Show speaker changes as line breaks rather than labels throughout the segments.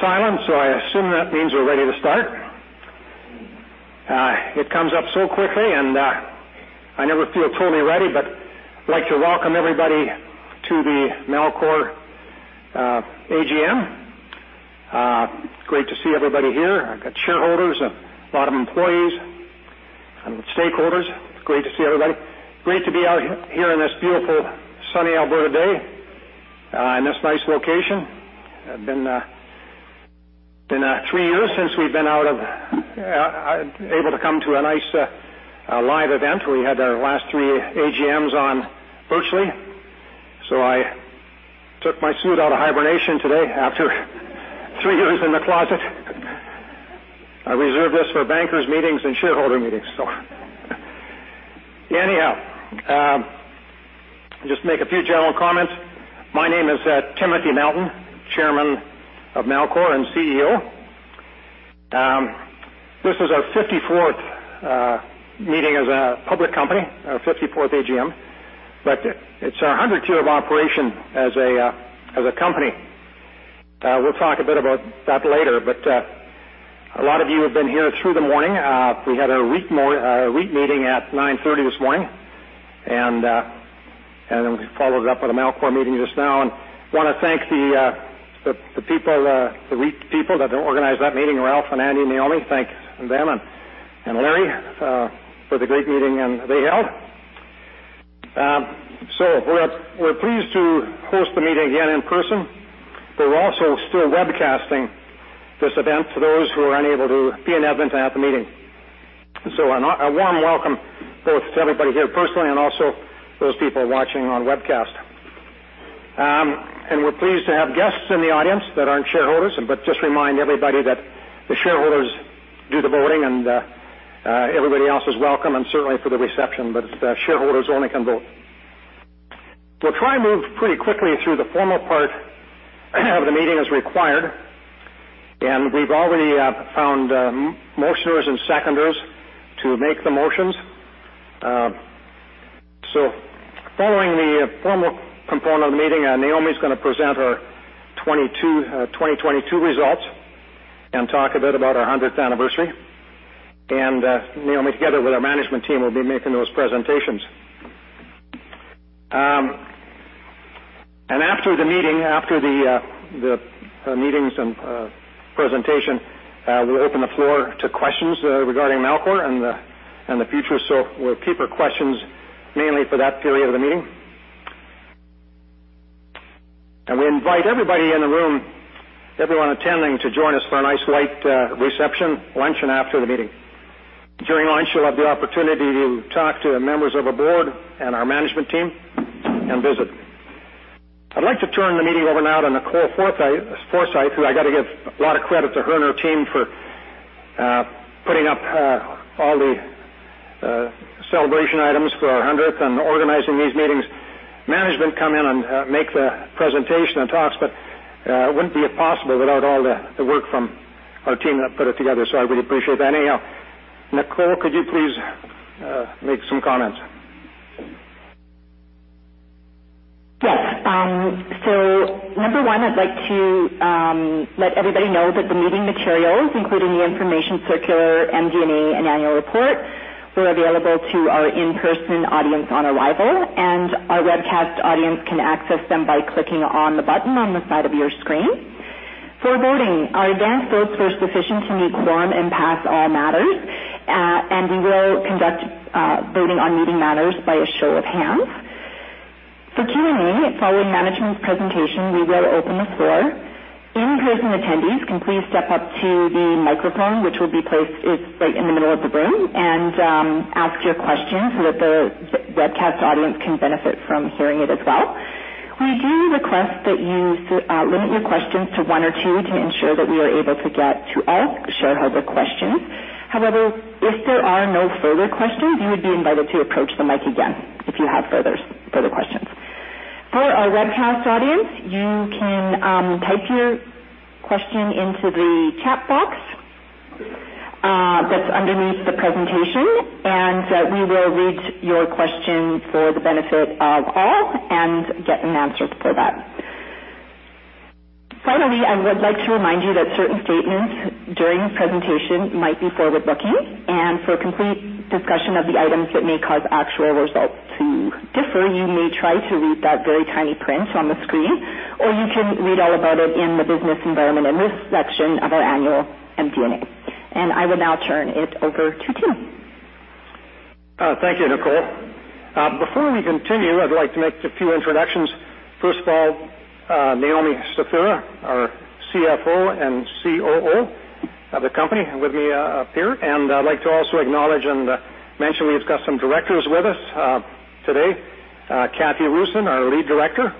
Silence. I assume that means we're ready to start. It comes up so quickly, and I never feel totally ready. I'd like to welcome everybody to the Melcor AGM. Great to see everybody here. I've got shareholders, a lot of employees and stakeholders. Great to see everybody. Great to be out here in this beautiful, sunny Alberta day in this nice location. Been three years since we've been able to come to a nice, live event. We had our last three AGMs on virtually. I took my suit out of hibernation today after three years in the closet. I reserve this for bankers meetings and shareholder meetings. Anyhow, just make a few general comments. My name is Timothy Melton, Chairman of Melcor and CEO. This is our 54th meeting as a public company, our 54th AGM. It's our 100th year of operation as a company. We'll talk a bit about that later, a lot of you have been here through the morning. We had our REIT meeting at 9:30 A.M. this morning, we followed it up with a Melcor meeting just now. Wanna thank the people, the REIT people that organized that meeting, Ralph and Andy and Naomi. Thank them and Larry for the great meeting and they held. We're pleased to host the meeting again in person. We're also still webcasting this event to those who are unable to be in attendance at the meeting. A warm welcome both to everybody here personally and also those people watching on webcast. We're pleased to have guests in the audience that aren't shareholders. Just remind everybody that the shareholders do the voting and everybody else is welcome and certainly for the reception. Shareholders only can vote. We'll try and move pretty quickly through the formal part of the meeting as required. We've already found motioners and seconders to make the motions. Following the formal component of the meeting, Naomi's gonna present our 2022 results and talk a bit about our 100th anniversary. Naomi, together with our management team, will be making those presentations. After the meeting, after the meetings and presentation, we'll open the floor to questions regarding Melcor and the future. We'll keep our questions mainly for that period of the meeting. We invite everybody in the room, everyone attending, to join us for a nice light reception lunch and after the meeting. During lunch, you'll have the opportunity to talk to members of our board and our management team and visit. I'd like to turn the meeting over now to Nicole Forsythe. Forsythe, who I got to give a lot of credit to her and her team for putting up all the celebration items for our 100th and organizing these meetings. Management come in and make the presentation and talks, but it wouldn't be possible without all the work from our team that put it together. I really appreciate that. Anyhow, Nicole, could you please make some comments?
Yes. Number one, I'd like to let everybody know that the meeting materials, including the information circular, MD&A, and annual report, were available to our in-person audience on arrival, and our webcast audience can access them by clicking on the button on the side of your screen. For voting, our advance votes were sufficient to meet quorum and pass all matters. We will conduct voting on meeting matters by a show of hands. For Q&A, following management's presentation, we will open the floor. In-person attendees can please step up to the microphone, it's right in the middle of the room, and ask your question so that the webcast audience can benefit from hearing it as well. We do request that you limit your questions to one or two to ensure that we are able to get to all shareholder questions. However, if there are no further questions, you would be invited to approach the mic again, if you have further questions. For our webcast audience, you can type your question into the chat box, that's underneath the presentation. We will read your question for the benefit of all and get an answer for that. Finally, I would like to remind you that certain statements during this presentation might be forward-looking. For a complete discussion of the items that may cause actual results to differ, you may try to read that very tiny print on the screen, or you can read all about it in the Business Environment and Risks section of our annual MD&A. I will now turn it over to Tim.
Thank you, Nicole. Before we continue, I'd like to make a few introductions. First of all, Naomi Stefura, our CFO and COO of the company with me up here. I'd like to also acknowledge and mention we've got some directors with us today. Catherine Roozen, our Lead Director.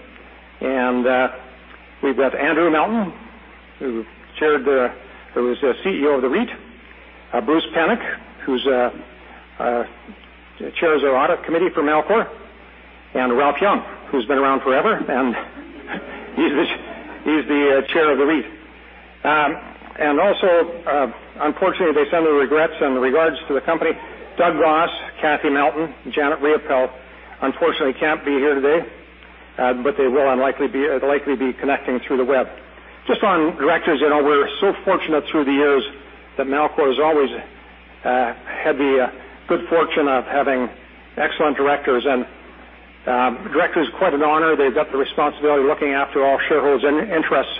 We've got Andrew Melton, who was the CEO of the REIT. Bruce Pennock, who chairs our audit committee for Melcor. Ralph Young, who's been around forever, and he's the Chair of the REIT. Unfortunately, they send their regrets in regards to the company. Douglas Goss, Kathleen Melton, Janet Riopel unfortunately can't be here today. They will unlikely be or likely be connecting through the web. Just on directors, you know, we're so fortunate through the years that Melcor has always had the good fortune of having excellent directors. Director is quite an honor. They've got the responsibility of looking after all shareholders' interests.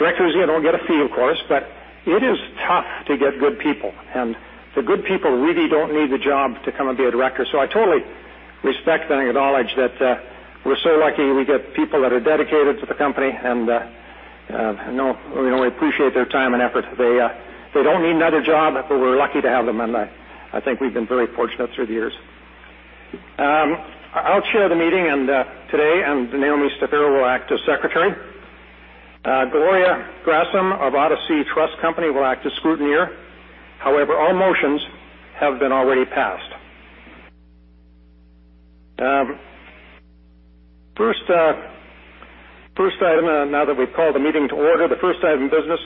Directors, you know, don't get a fee, of course, but it is tough to get good people. The good people really don't need the job to come and be a director. I totally respect and acknowledge that we're so lucky we get people that are dedicated to the company. You know, we really appreciate their time and effort. They don't need another job, but we're lucky to have them. I think we've been very fortunate through the years. I'll chair the meeting today, and Naomi Stefura will act as secretary. Gloria Grasam of Odyssey Trust Company will act as scrutineer. However, all motions have been already passed. First item, now that we've called the meeting to order, the first item of business.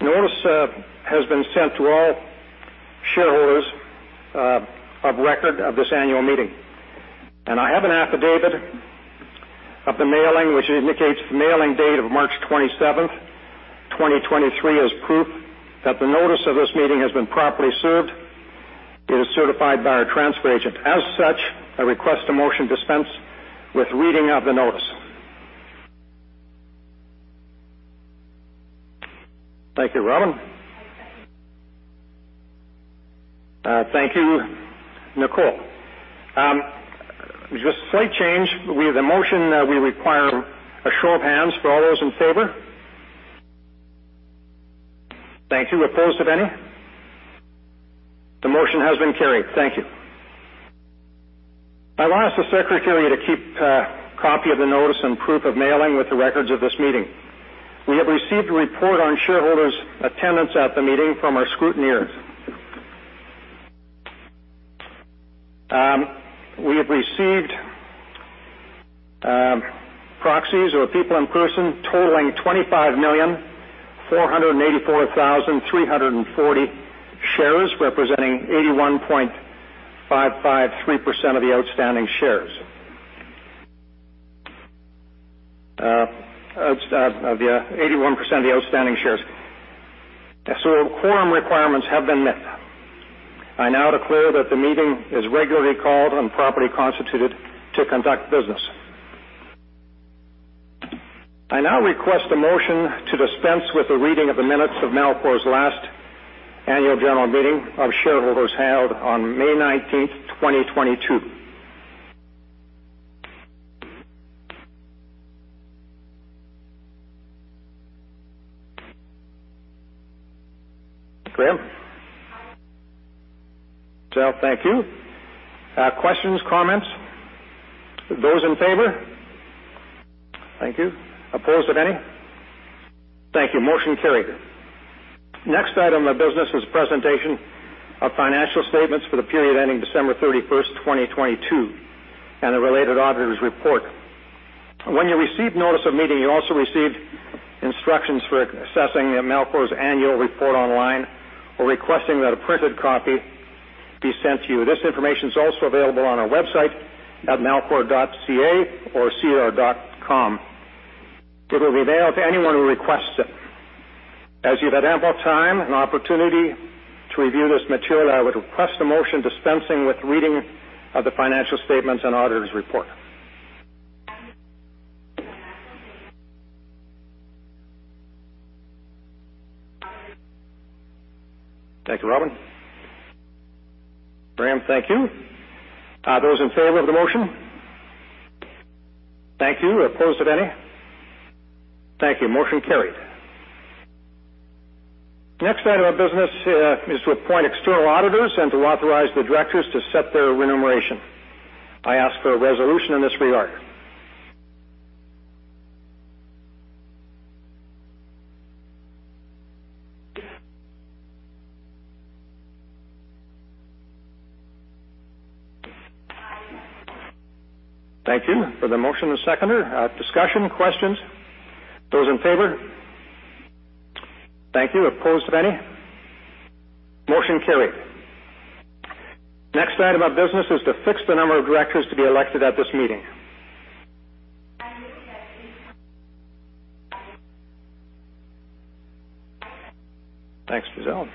Notice has been sent to all shareholders of record of this annual meeting. I have an affidavit of the mailing, which indicates the mailing date of March 27th, 2023, as proof that the notice of this meeting has been properly served. It is certified by our transfer agent. As such, I request a motion dispense with reading of the notice. Thank you, Robin. Thank you, Nicole. Just a slight change. We have a motion that we require a show of hands for all those in favor. Thank you. Opposed, if any? The motion has been carried. Thank you. I'll ask the secretary to keep a copy of the notice and proof of mailing with the records of this meeting. We have received a report on shareholders' attendance at the meeting from our scrutineers. We have received proxies or people in person totaling 25,484,340 shares, representing 81.553% of the outstanding shares. Of the 81% of the outstanding shares. Quorum requirements have been met. I now declare that the meeting is regularly called and properly constituted to conduct business. I now request a motion to dispense with the reading of the minutes of Melcor's last annual general meeting of shareholders held on May 19th, 2022. Graham. Giselle, thank you. Questions, comments? Those in favor? Thank you. Opposed, if any? Thank you. Motion carried. Next item of business is presentation of financial statements for the period ending December 31st, 2022, and a related auditor's report. When you received notice of meeting, you also received instructions for accessing Melcor's annual report online or requesting that a printed copy be sent to you. This information is also available on our website at melcor.ca or sedar.com It will be mailed to anyone who requests it. As you've had ample time and opportunity to review this material, I would request a motion dispensing with reading of the financial statements and auditor's report. Thank you, Robin. Graham, thank you. Those in favor of the motion. Thank you. Opposed, if any? Thank you. Motion carried. Next item of business is to appoint external auditors and to authorize the directors to set their remuneration. I ask for a resolution in this regard. Thank you for the motion and seconder. Discussion, questions? Those in favor? Thank you. Opposed, if any? Motion carried. Next item of business is to fix the number of directors to be elected at this meeting. Thanks, Giselle.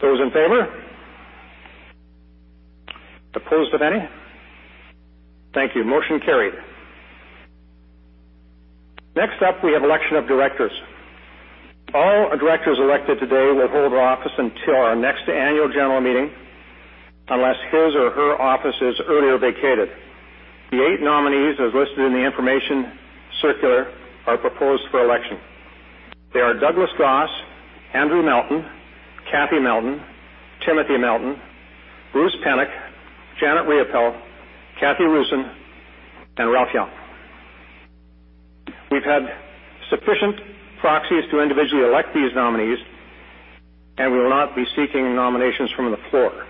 Those in favor? Opposed, if any? Thank you. Motion carried. Next up, we have election of directors. All directors elected today will hold office until our next annual general meeting, unless his or her office is earlier vacated. The eight nominees, as listed in the information circular, are proposed for election. They are Douglas Goss, Andrew Melton, Kathy Melton, Timothy Melton, Bruce Pennock, Janet Riopel, Catherine Roozen, and Ralph Young. We've had sufficient proxies to individually elect these nominees, and we will not be seeking nominations from the floor.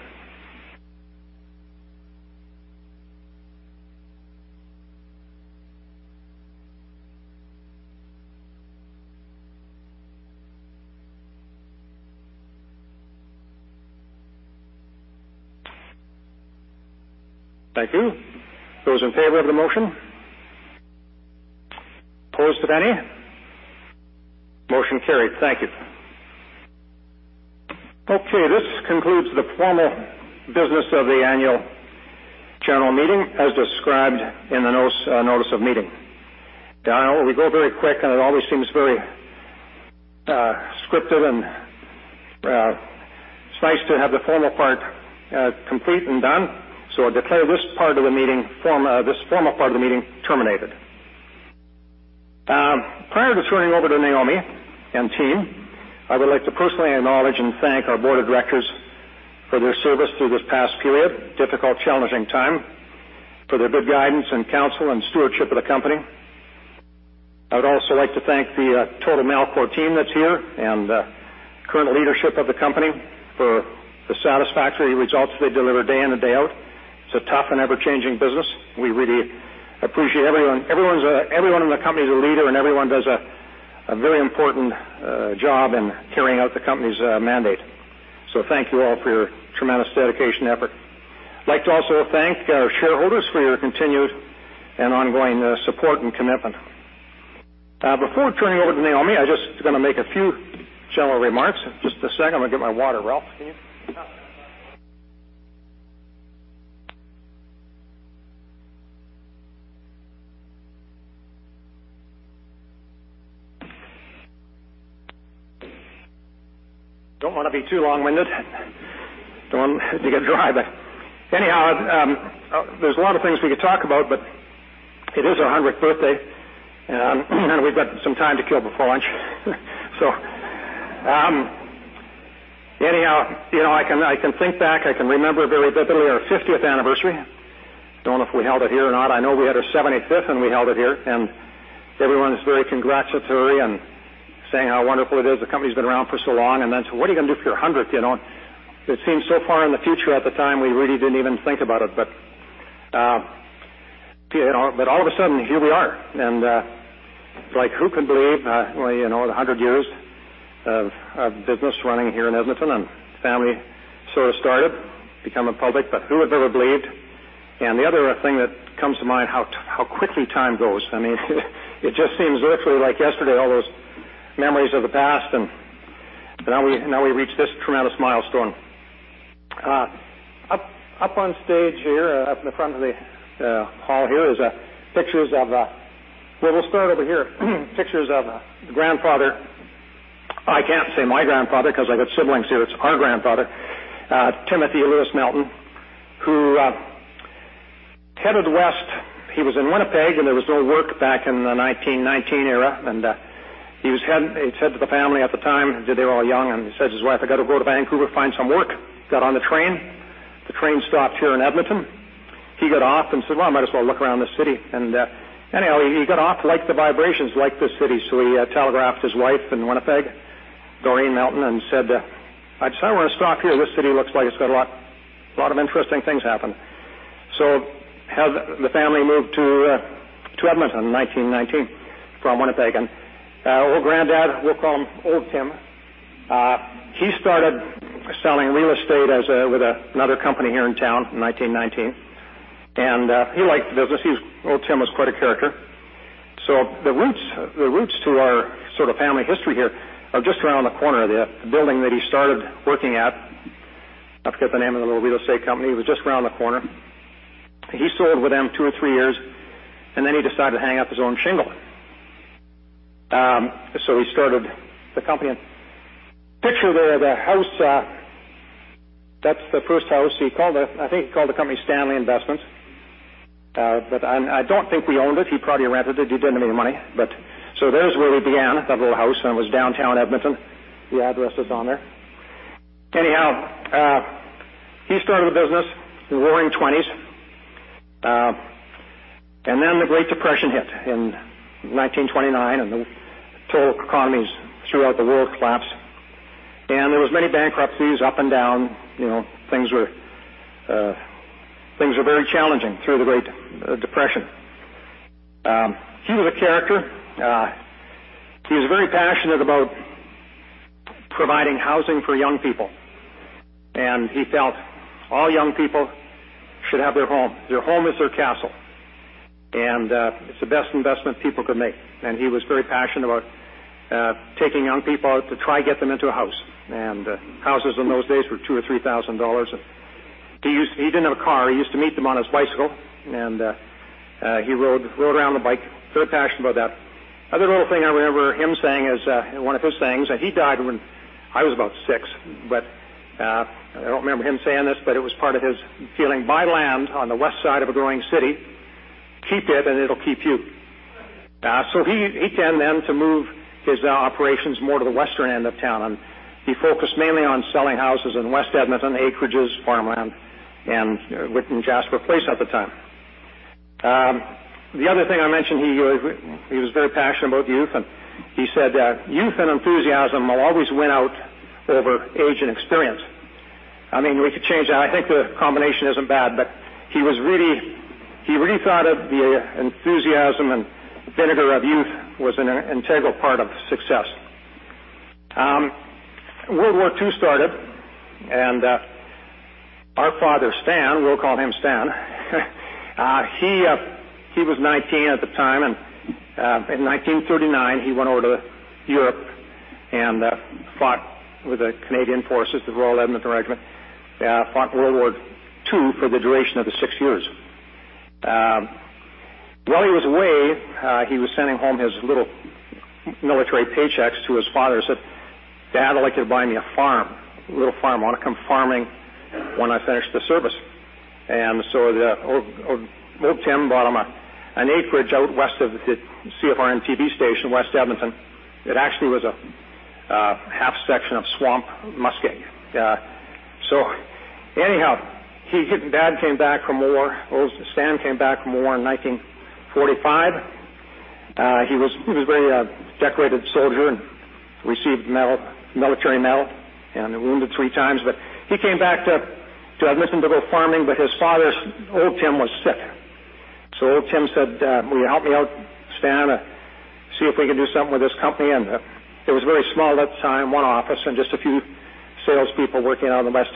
Thank you. Those in favor of the motion? Opposed to any? Motion carried. Thank you. Okay, this concludes the formal business of the annual general meeting as described in the notice of meeting. Don, we go very quick, it always seems very scripted, it's nice to have the formal part complete and done. I declare this formal part of the meeting terminated. Prior to turning over to Naomi and team, I would like to personally acknowledge and thank our board of directors for their service through this past period, difficult, challenging time, for their good guidance and counsel and stewardship of the company. I would also like to thank the total Melcor team that's here, current leadership of the company for the satisfactory results they deliver day in and day out. It's a tough and ever-changing business. We really appreciate everyone. Everyone's everyone in the company is a leader, and everyone does a very important job in carrying out the company's mandate. Thank you all for your tremendous dedication effort. I'd like to also thank our shareholders for your continued and ongoing support and commitment. Before turning over to Naomi, I just gonna make a few general remarks. Just a second. I'm gonna get my water. Ralph, can you?
Yeah.
Don't wanna be too long-winded. Don't want to get dry. Anyhow, there's a lot of things we could talk about, but it is our 100th birthday, and we've got some time to kill before lunch. Anyhow, you know, I can think back. I can remember very vividly our 50th anniversary. Don't know if we held it here or not. I know we had our 75th, and we held it here. Everyone's very congratulatory and saying how wonderful it is. The company's been around for so long. What are you gonna do for your 100th, you know? It seems so far in the future at the time, we really didn't even think about it. All of a sudden, here we are. Like, who can believe, well, you know, the 100 years of business running here in Edmonton and family sort of started becoming public, who would ever believed? The other thing that comes to mind, how quickly time goes. I mean, it just seems literally like yesterday, all those memories of the past, and now we reach this tremendous milestone. Up on stage here, up in the front of the hall here is pictures of. Well, we'll start over here. Pictures of the grandfather. I can't say my grandfather 'cause I got siblings here. It's our grandfather, Timothy Lewis Melton, who headed west. He was in Winnipeg, and there was no work back in the 1919 era. He said to the family at the time that they were all young, and he says to his wife, "I got to go to Vancouver, find some work." Got on the train. The train stopped here in Edmonton. He got off and said, "Well, I might as well look around the city." Anyhow, he got off, liked the vibrations, liked the city. He telegraphed his wife in Winnipeg, Doreen Melton, and said, "I decided I want to stop here. This city looks like it's got a lot of interesting things happen." The family moved to Edmonton in 1919 from Winnipeg. Our granddad, we'll call him Old Tim. He started selling real estate with another company here in town in 1919. He liked the business. Old Tim was quite a character. The roots to our sort of family history here are just around the corner. The building that he started working at, I forget the name of the little real estate company, it was just around the corner. He sold with them two or three years, then he decided to hang up his own shingle. He started the company. Picture there, the house, that's the first house. He called it, I think he called the company Stanley Investments. I don't think we owned it. He probably rented it. He didn't have any money. There's where we began, that little house, and it was downtown Edmonton. The address is on there. Anyhow, he started the business, the roaring '20s. The Great Depression hit in 1929, the total economies throughout the world collapsed. There was many bankruptcies up and down. You know, things were very challenging through the Great Depression. He was a character. He was very passionate about providing housing for young people, he felt all young people should have their home. Their home is their castle, it's the best investment people could make. He was very passionate about taking young people out to try to get them into a house. Houses in those days were 2,000 or 3,000 dollars. He didn't have a car. He used to meet them on his bicycle. He rode around the bike. Very passionate about that. Other little thing I remember him saying is one of his sayings. He died when I was about 6. I don't remember him saying this, but it was part of his feeling. Buy land on the west side of a growing city, keep it, and it'll keep you. He can then to move his operations more to the western end of town. He focused mainly on selling houses in West Edmonton, acreages, farmland, and within Jasper Place at the time. The other thing I mentioned, he was very passionate about youth. He said that youth and enthusiasm will always win out over age and experience. I mean, we could change that. I think the combination isn't bad, but he really thought of the enthusiasm and vinegar of youth was an integral part of success. World War II started. Our father, Stan, we'll call him Stan. He was 19 at the time, in 1939, he went over to Europe and fought with the Canadian Forces, The Loyal Edmonton Regiment. Yeah, fought World War II for the duration of the 6 years. While he was away, he was sending home his little military paychecks to his father. He said, "Dad, I'd like you to buy me a farm, a little farm. I want to come farming when I finish the service." The old, old Tim bought him an acreage out west of the CFRN-DT station, West Edmonton. It actually was a half section of swamp muskeg. Anyhow, dad came back from war. Old Stan came back from war in 1945. He was a very decorated soldier and received medal, military medal and wounded 3 times. He came back to Edmonton to go farming, but his father, old Tim, was sick. Old Tim said, "Will you help me out, Stan, see if we can do something with this company?" It was very small at the time, 1 office and just a few salespeople working out of the West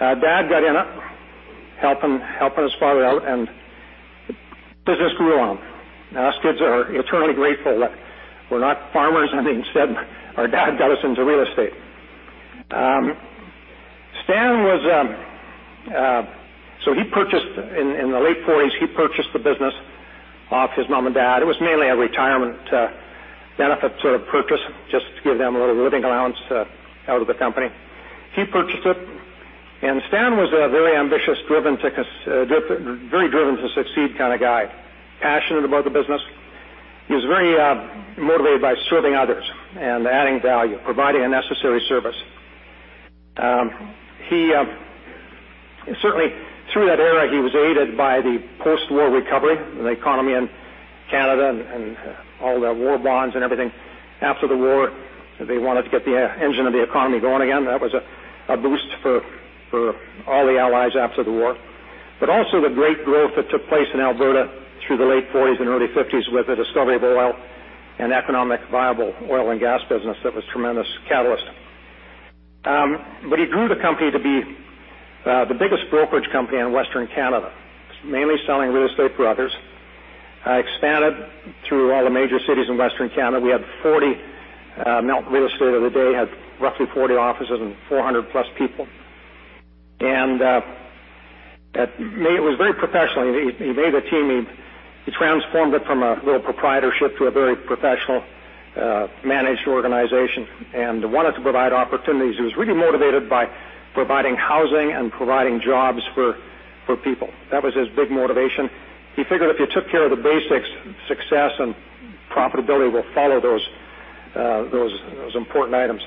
End. Dad got in helping his father out, and business grew on. Us kids are eternally grateful that we're not farmers. Instead, our dad got us into real estate. Stan was. In the late 1940s, he purchased the business off his mom and dad. It was mainly a retirement, benefit sort of purchase, just to give them a little living allowance, out of the company. He purchased it. Stan was a very ambitious, driven to succeed kind of guy, passionate about the business. He was very motivated by serving others and adding value, providing a necessary service. He, certainly through that era, he was aided by the post-war recovery, the economy in Canada and all the war bonds and everything. After the war, they wanted to get the engine of the economy going again. That was a boost for all the allies after the war. Also the great growth that took place in Alberta through the late 1940s and early 1950s with the discovery of oil and economic viable oil and gas business. That was tremendous catalyst. He grew the company to be the biggest brokerage company in Western Canada, mainly selling real estate for others. Expanded through all the major cities in Western Canada. We have 40, Melton Real Estate of the day had roughly 40 offices and 400 plus people. It was very professional. He made a team. He transformed it from a little proprietorship to a very professional, managed organization and wanted to provide opportunities. He was really motivated by providing housing and providing jobs for people. That was his big motivation. He figured if you took care of the basics, success and profitability will follow those important items.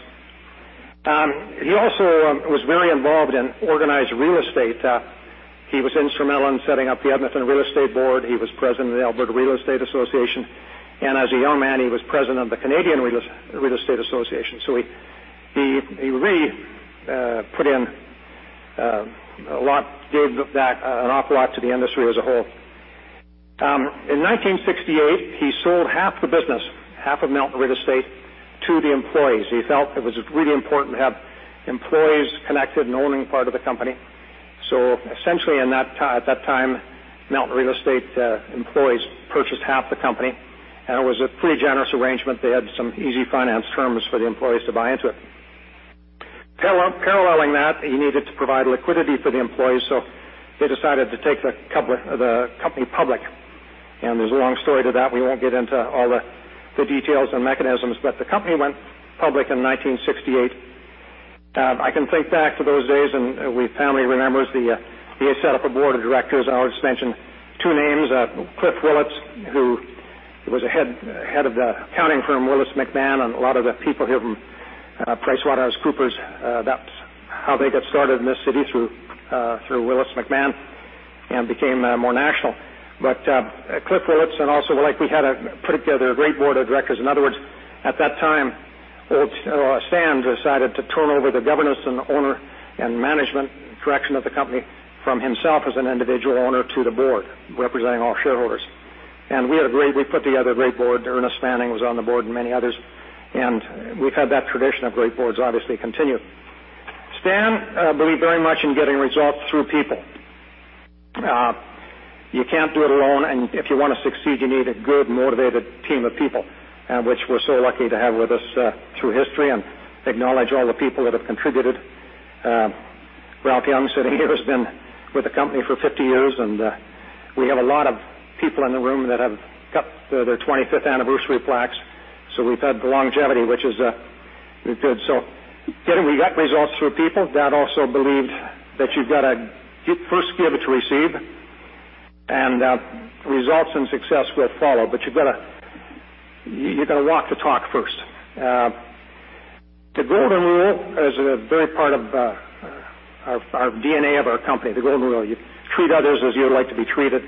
He also was very involved in organized real estate. He was instrumental in setting up the Edmonton Real Estate Board. He was president of the Alberta Real Estate Association. As a young man, he was president of the Canadian Real Estate Association. He really put in a lot, gave back an awful lot to the industry as a whole. In 1968, he sold half the business, half of Melton Real Estate to the employees. He felt it was really important to have employees connected and owning part of the company. Essentially at that time, Melton Real Estate employees purchased half the company, and it was a pretty generous arrangement. They had some easy finance terms for the employees to buy into it. Paralleling that, he needed to provide liquidity for the employees, so they decided to take the company public. There's a long story to that. We won't get into all the details and mechanisms, but the company went public in 1968. I can think back to those days, and we family remembers the he had set up a board of directors. I'll just mention two names, Cliff Willets, who was a head of the accounting firm, Willets McMahon, and a lot of the people here from PricewaterhouseCoopers. That's how they got started in this city through Willets McMahon and became more national. Cliff Willets and also like we had put together a great board of directors. In other words, at that time, old Stan Melton decided to turn over the governance and owner and management direction of the company from himself as an individual owner to the board representing all shareholders. We put together a great board. Ernest Manning was on the board and many others. We've had that tradition of great boards obviously continue. Stan believed very much in getting results through people. You can't do it alone. If you want to succeed, you need a good, motivated team of people, which we're so lucky to have with us through history and acknowledge all the people that have contributed. Ralph Young sitting here has been with the company for 50 years, and we have a lot of people in the room that have got their 25th anniversary plaques. We've had the longevity, which is good. We got results through people. Dad also believed that you've got to first give it to receive, and results and success will follow. You've got to walk the talk first. The Golden Rule is a very part of our DNA of our company, the Golden Rule. You treat others as you would like to be treated.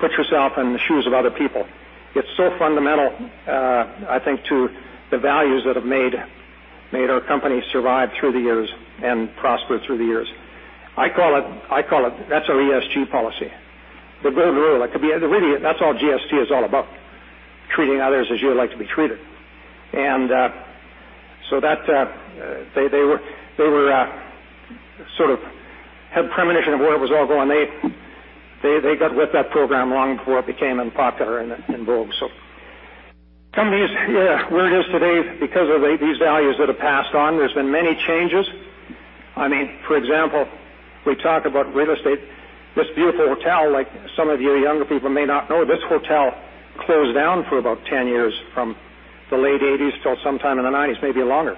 Put yourself in the shoes of other people. It's so fundamental, I think, to the values that have made our company survive through the years and prosper through the years. I call it, That's our ESG policy. The Golden Rule. That could be. Really, that's all ESG is all about, treating others as you would like to be treated. So that they were sort of had premonition of where it was all going. They got with that program long before it became unpopular and vogue. The company is where it is today because of these values that have passed on. There's been many changes. I mean, for example, we talk about real estate. This beautiful hotel, like some of you younger people may not know, this hotel closed down for about 10 years from the late eighties till sometime in the nineties, maybe longer.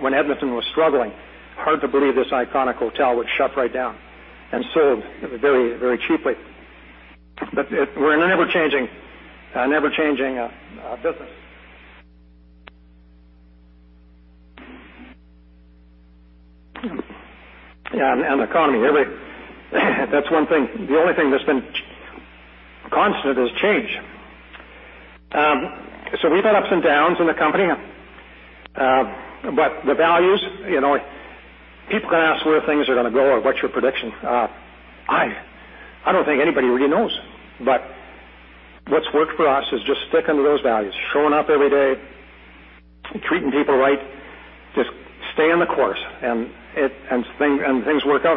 When Edmonton was struggling, hard to believe this iconic hotel was shut right down and sold very, very cheaply. We're in an ever-changing business. Yeah, and the economy. That's one thing. The only thing that's been constant is change. We've had ups and downs in the company, but the values, you know... People can ask where things are gonna go or what's your prediction. I don't think anybody really knows. What's worked for us is just sticking to those values, showing up every day, treating people right. Just stay in the course, and things work out.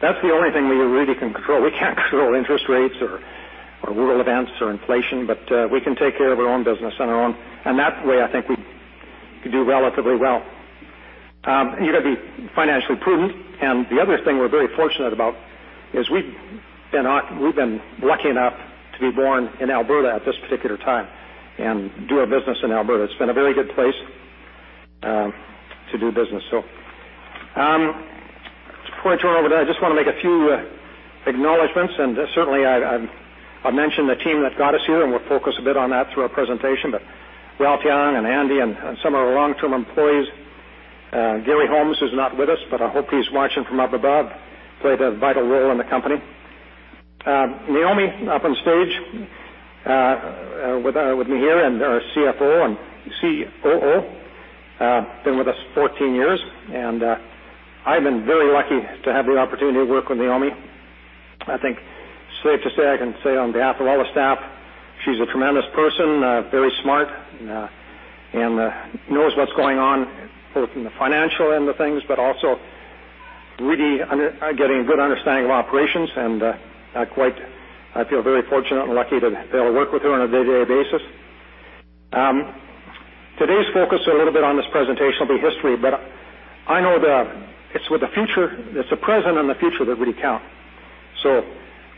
That's the only thing we really can control. We can't control interest rates or world events or inflation, but we can take care of our own business on our own. That way, I think we do relatively well. You gotta be financially prudent. The other thing we're very fortunate about is we've been lucky enough to be born in Alberta at this particular time and do our business in Alberta. It's been a very good place to do business, so. Before I turn it over, I just wanna make a few acknowledgments. Certainly I mentioned the team that got us here. We'll focus a bit on that through our presentation. Ralph Young and Andy and some of our long-term employees. Garry Holmes, who's not with us, but I hope he's watching from up above, played a vital role in the company. Naomi up on stage with me here and our CFO and COO, been with us 14 years. I've been very lucky to have the opportunity to work with Naomi. I think it's safe to say, I can say on behalf of all the staff, she's a tremendous person, very smart, and knows what's going on, both in the financial end of things, but also really getting a good understanding of operations. I feel very fortunate and lucky to be able to work with her on a day-to-day basis. Today's focus a little bit on this presentation will be history, but I know it's with the future. It's the present and the future that really count.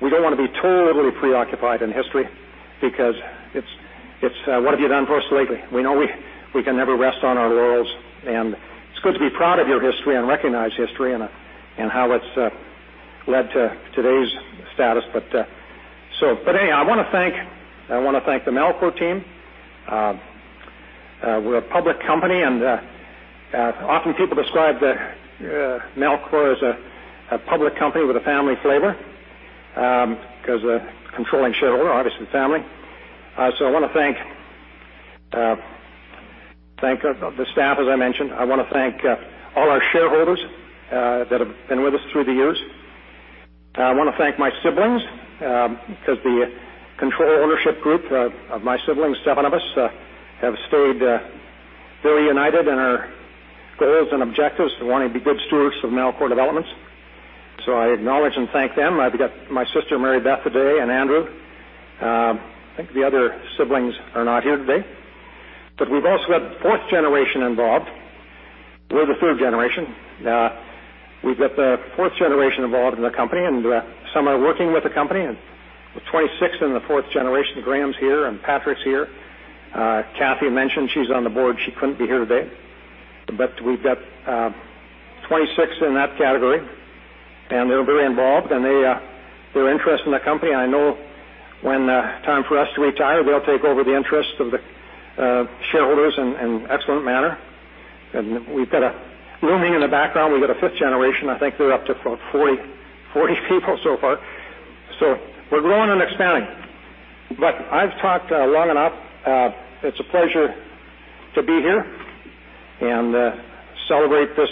We don't wanna be totally preoccupied in history because it's, what have you done for us lately. We know we can never rest on our laurels. It's good to be proud of your history and recognize history and how it's led to today's status. Anyway, I wanna thank, I wanna thank the Melcor team. We're a public company, and often people describe Melcor as a public company with a family flavor, 'cause the controlling shareholder, obviously family. I want to thank the staff as I mentioned. I want to thank all our shareholders that have been with us through the years. I want to thank my siblings, because the control ownership group of my siblings, 7 of us, have stayed very united in our goals and objectives to want to be good stewards of Melcor Developments. I acknowledge and thank them. I've got my sister Mary Beth today and Andrew. I think the other siblings are not here today. We've also got 4th generation involved. We're the 3rd generation. We've got the 4th generation involved in the company, and some are working with the company. With 26 in the 4th generation, Graham's here and Patrick's here. Kathy mentioned she's on the board. She couldn't be here today. We've got 26 in that category, and they're very involved, and they're interested in the company. I know when time for us to retire, they'll take over the interest of the shareholders in excellent manner. We've got looming in the background, we've got a 5th generation. I think we're up to about 40 people so far. We're growing and expanding. I've talked long enough. It's a pleasure to be here and celebrate this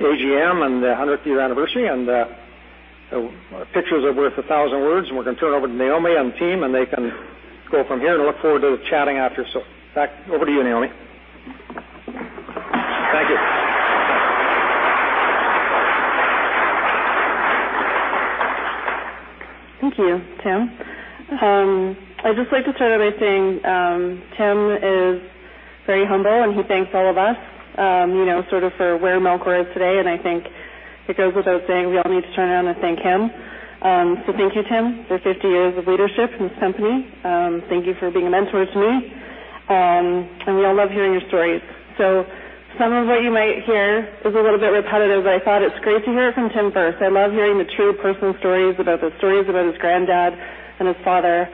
AGM and the 100th year anniversary. Pictures are worth 1,000 words, and we're gonna turn it over to Naomi and team, and they can go from here. I look forward to chatting after. Back over to you, Naomi. Thank you.
Thank you, Tim. I'd just like to start out by saying, Tim is very humble, and he thanks all of us, you know, sort of for where Melcor is today. I think it goes without saying we all need to turn around and thank him. Thank you, Tim, for 50 years of leadership in this company. Thank you for being a mentor to me. We all love hearing your stories. Some of what you might hear is a little bit repetitive, but I thought it's great to hear it from Tim first. I love hearing the true personal stories about his granddad and his father.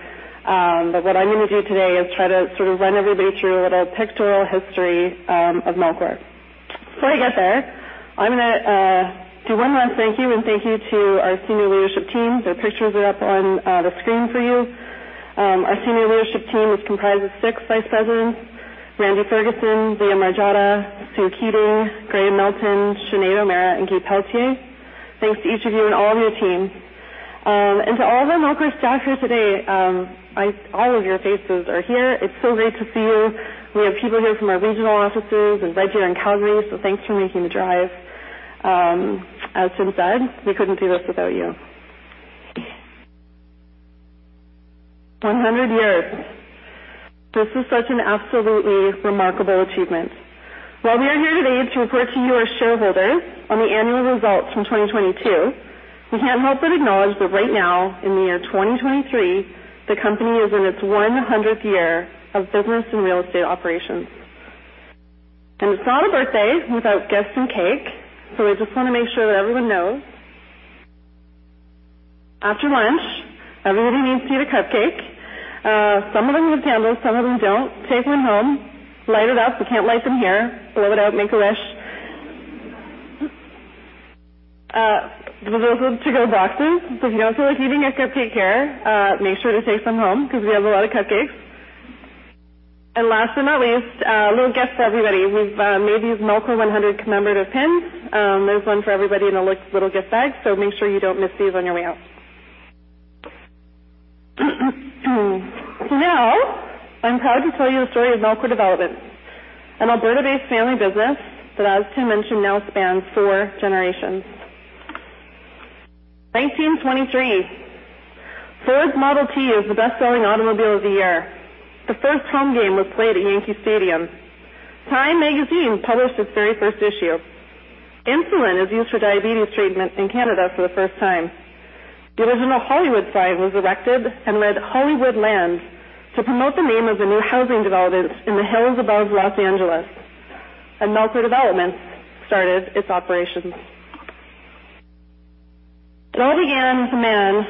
what I'm gonna do today is try to sort of run everybody through a little pictorial history of Melcor. Before I get there, I'm gonna do one last thank you and thank you to our senior leadership team. Their pictures are up on the screen for you. Our senior leadership team is comprised of six vice presidents: Randy Ferguson, Leah Margiotta, Sue Keating, Gray Melton, Sinead O'Meara, and Guy Pelletier. Thanks to each of you and all of your teams. To all of our Melcor staff here today, all of your faces are here. It's so great to see you. We have people here from our regional offices in Vegreville and Calgary. Thanks for making the drive. As Tim said, we couldn't do this without you. 100 years. This is such an absolutely remarkable achievement. While we are here today to report to you, our shareholders, on the annual results from 2022, we can't help but acknowledge that right now, in the year 2023, the company is in its 100th year of business and real estate operations. It's not a birthday without gifts and cake, so I just wanna make sure that everyone knows. After lunch, everybody needs to get a cupcake. Some of them have candles, some of them don't. Take one home. Light it up. We can't light them here. Blow it out. Make a wish. There's also to-go boxes, so if you don't feel like eating a cupcake here, make sure to take some home 'cause we have a lot of cupcakes. Last but not least, a little gift for everybody. We've made these Melcor 100 commemorative pins. There's one for everybody in a little gift bag, make sure you don't miss these on your way out. Now I'm proud to tell you the story of Melcor Developments, an Alberta-based family business that, as Tim mentioned, now spans 4 generations. 1923, Ford's Model T is the best-selling automobile of the year. The first home game was played at Yankee Stadium. TIME Magazine published its very first issue. Insulin is used for diabetes treatment in Canada for the first time. The original Hollywood sign was erected and read, "Hollywoodland," to promote the name of the new housing development in the hills above Los Angeles. Melcor Developments started its operations. It all began with a man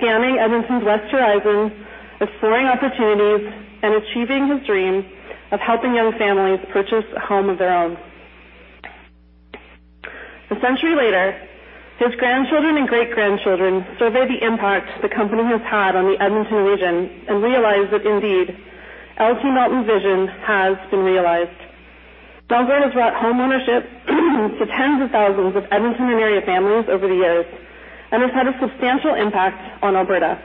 scanning Edmonton's west horizon, exploring opportunities, and achieving his dream of helping young families purchase a home of their own. A century later, his grandchildren and great-grandchildren survey the impact the company has had on the Edmonton region and realize that indeed L.T. Melton's vision has been realized. Melcor has brought homeownership to tens of thousands of Edmonton and area families over the years and has had a substantial impact on Alberta.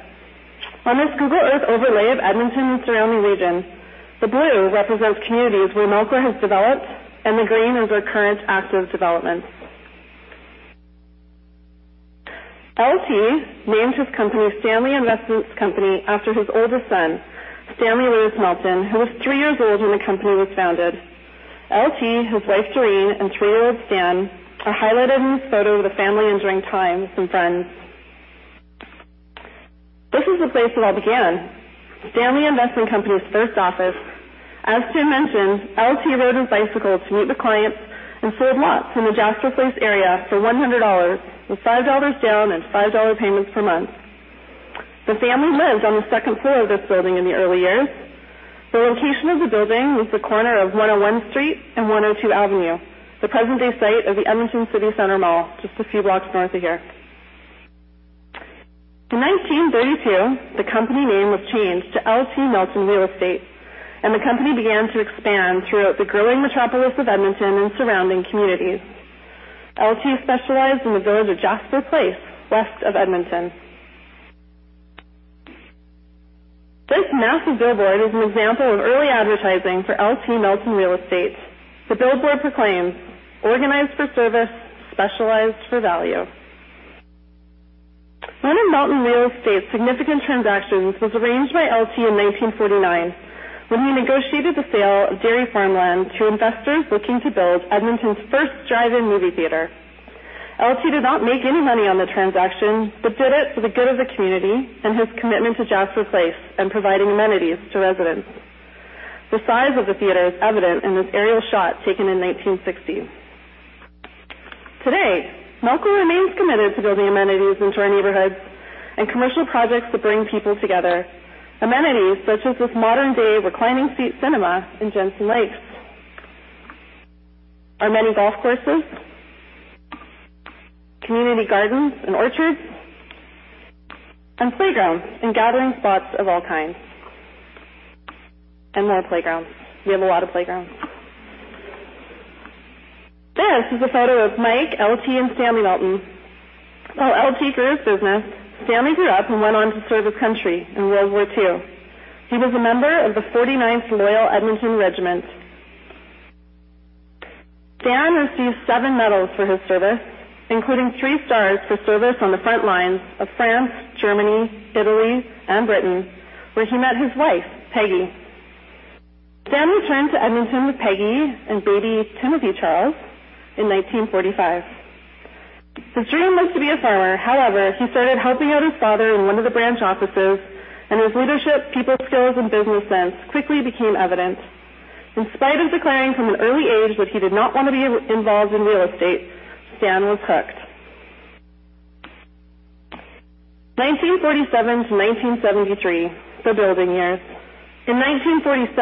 On this Google Earth overlay of Edmonton and surrounding regions, the blue represents communities where Melcor has developed, and the green is our current active developments. L.T. named his company Stanley Investment Company after his oldest son, Stanley Lewis Melton, who was three years old when the company was founded. L.T., his wife, Doreen, and three-year-old Stan are highlighted in this photo of the family enjoying time with some friends. This is the place it all began, Stanley Investment Company's first office. As Timothy Melton mentioned, L.T. rode his bicycle to meet with clients and sold lots in the Jasper Place area for $100, with $5 down and $5 payments per month. The family lived on the second floor of this building in the early years. The location of the building was the corner of 101 Street and 102 Avenue, the present-day site of the Edmonton City Center Mall, just a few blocks north of here. In 1932, the company name was changed to L.T. Melton Realty, and the company began to expand throughout the growing metropolis of Edmonton and surrounding communities. L.T. specialized in the village of Jasper Place, west of Edmonton. This massive billboard is an example of early advertising for L.T. Melton Realty. The billboard proclaims, "Organized for service, specialized for value." One of Melton Real Estate's significant transactions was arranged by LT in 1949 when he negotiated the sale of dairy farmland to investors looking to build Edmonton's first drive-in movie theater. LT did not make any money on the transaction, but did it for the good of the community and his commitment to Jasper Place and providing amenities to residents. The size of the theater is evident in this aerial shot taken in 1960. Today, Melcor remains committed to building amenities into our neighborhoods and commercial projects that bring people together. Amenities such as this modern-day reclining seat cinema in Jensen Lakes. Our many golf courses, community gardens and orchards, and playgrounds, and gathering spots of all kinds. More playgrounds. We have a lot of playgrounds. This is a photo of Mike, LT, and Stanley Melton. While LT grew his business, Stanley grew up and went on to serve his country in World War II. He was a member of the 49th Loyal Edmonton Regiment. Stan received 7 medals for his service, including 3 stars for service on the front lines of France, Germany, Italy, and Britain, where he met his wife, Peggy. Stanley returned to Edmonton with Peggy and baby Timothy Charles in 1945. His dream was to be a farmer. He started helping out his father in one of the branch offices, and his leadership, people skills, and business sense quickly became evident. In spite of declaring from an early age that he did not want to be involved in real estate, Stan was hooked. 1947 to 1973, the building years. In 1947,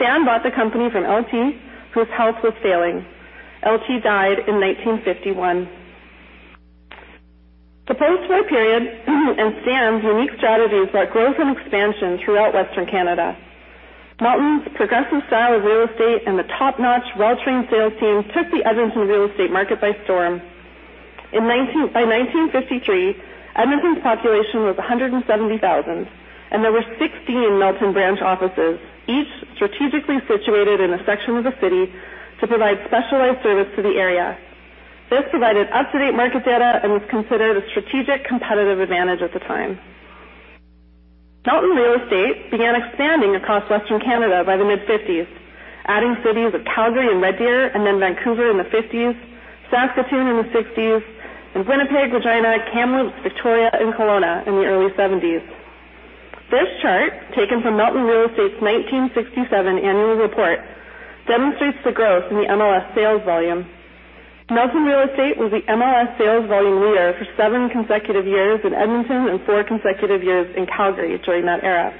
Stan bought the company from LT, whose health was failing. LT died in 1951. The post-war period and Stan's unique strategy brought growth and expansion throughout Western Canada. Melton's progressive style of real estate and the top-notch well-trained sales team took the Edmonton real estate market by storm. By 1953, Edmonton's population was 170,000, and there were 16 Melton branch offices, each strategically situated in a section of the city to provide specialized service to the area. This provided up-to-date market data and was considered a strategic competitive advantage at the time. Melton Real Estate began expanding across Western Canada by the mid-1950s, adding cities of Calgary and Red Deer and then Vancouver in the 1950s, Saskatoon in the 1960s, and Winnipeg, Regina, Kamloops, Victoria, and Kelowna in the early 1970s. This chart, taken from Melton Real Estate's 1967 annual report, demonstrates the growth in the MLS sales volume. Melton Real Estate was the MLS sales volume leader for seven consecutive years in Edmonton and four consecutive years in Calgary during that era.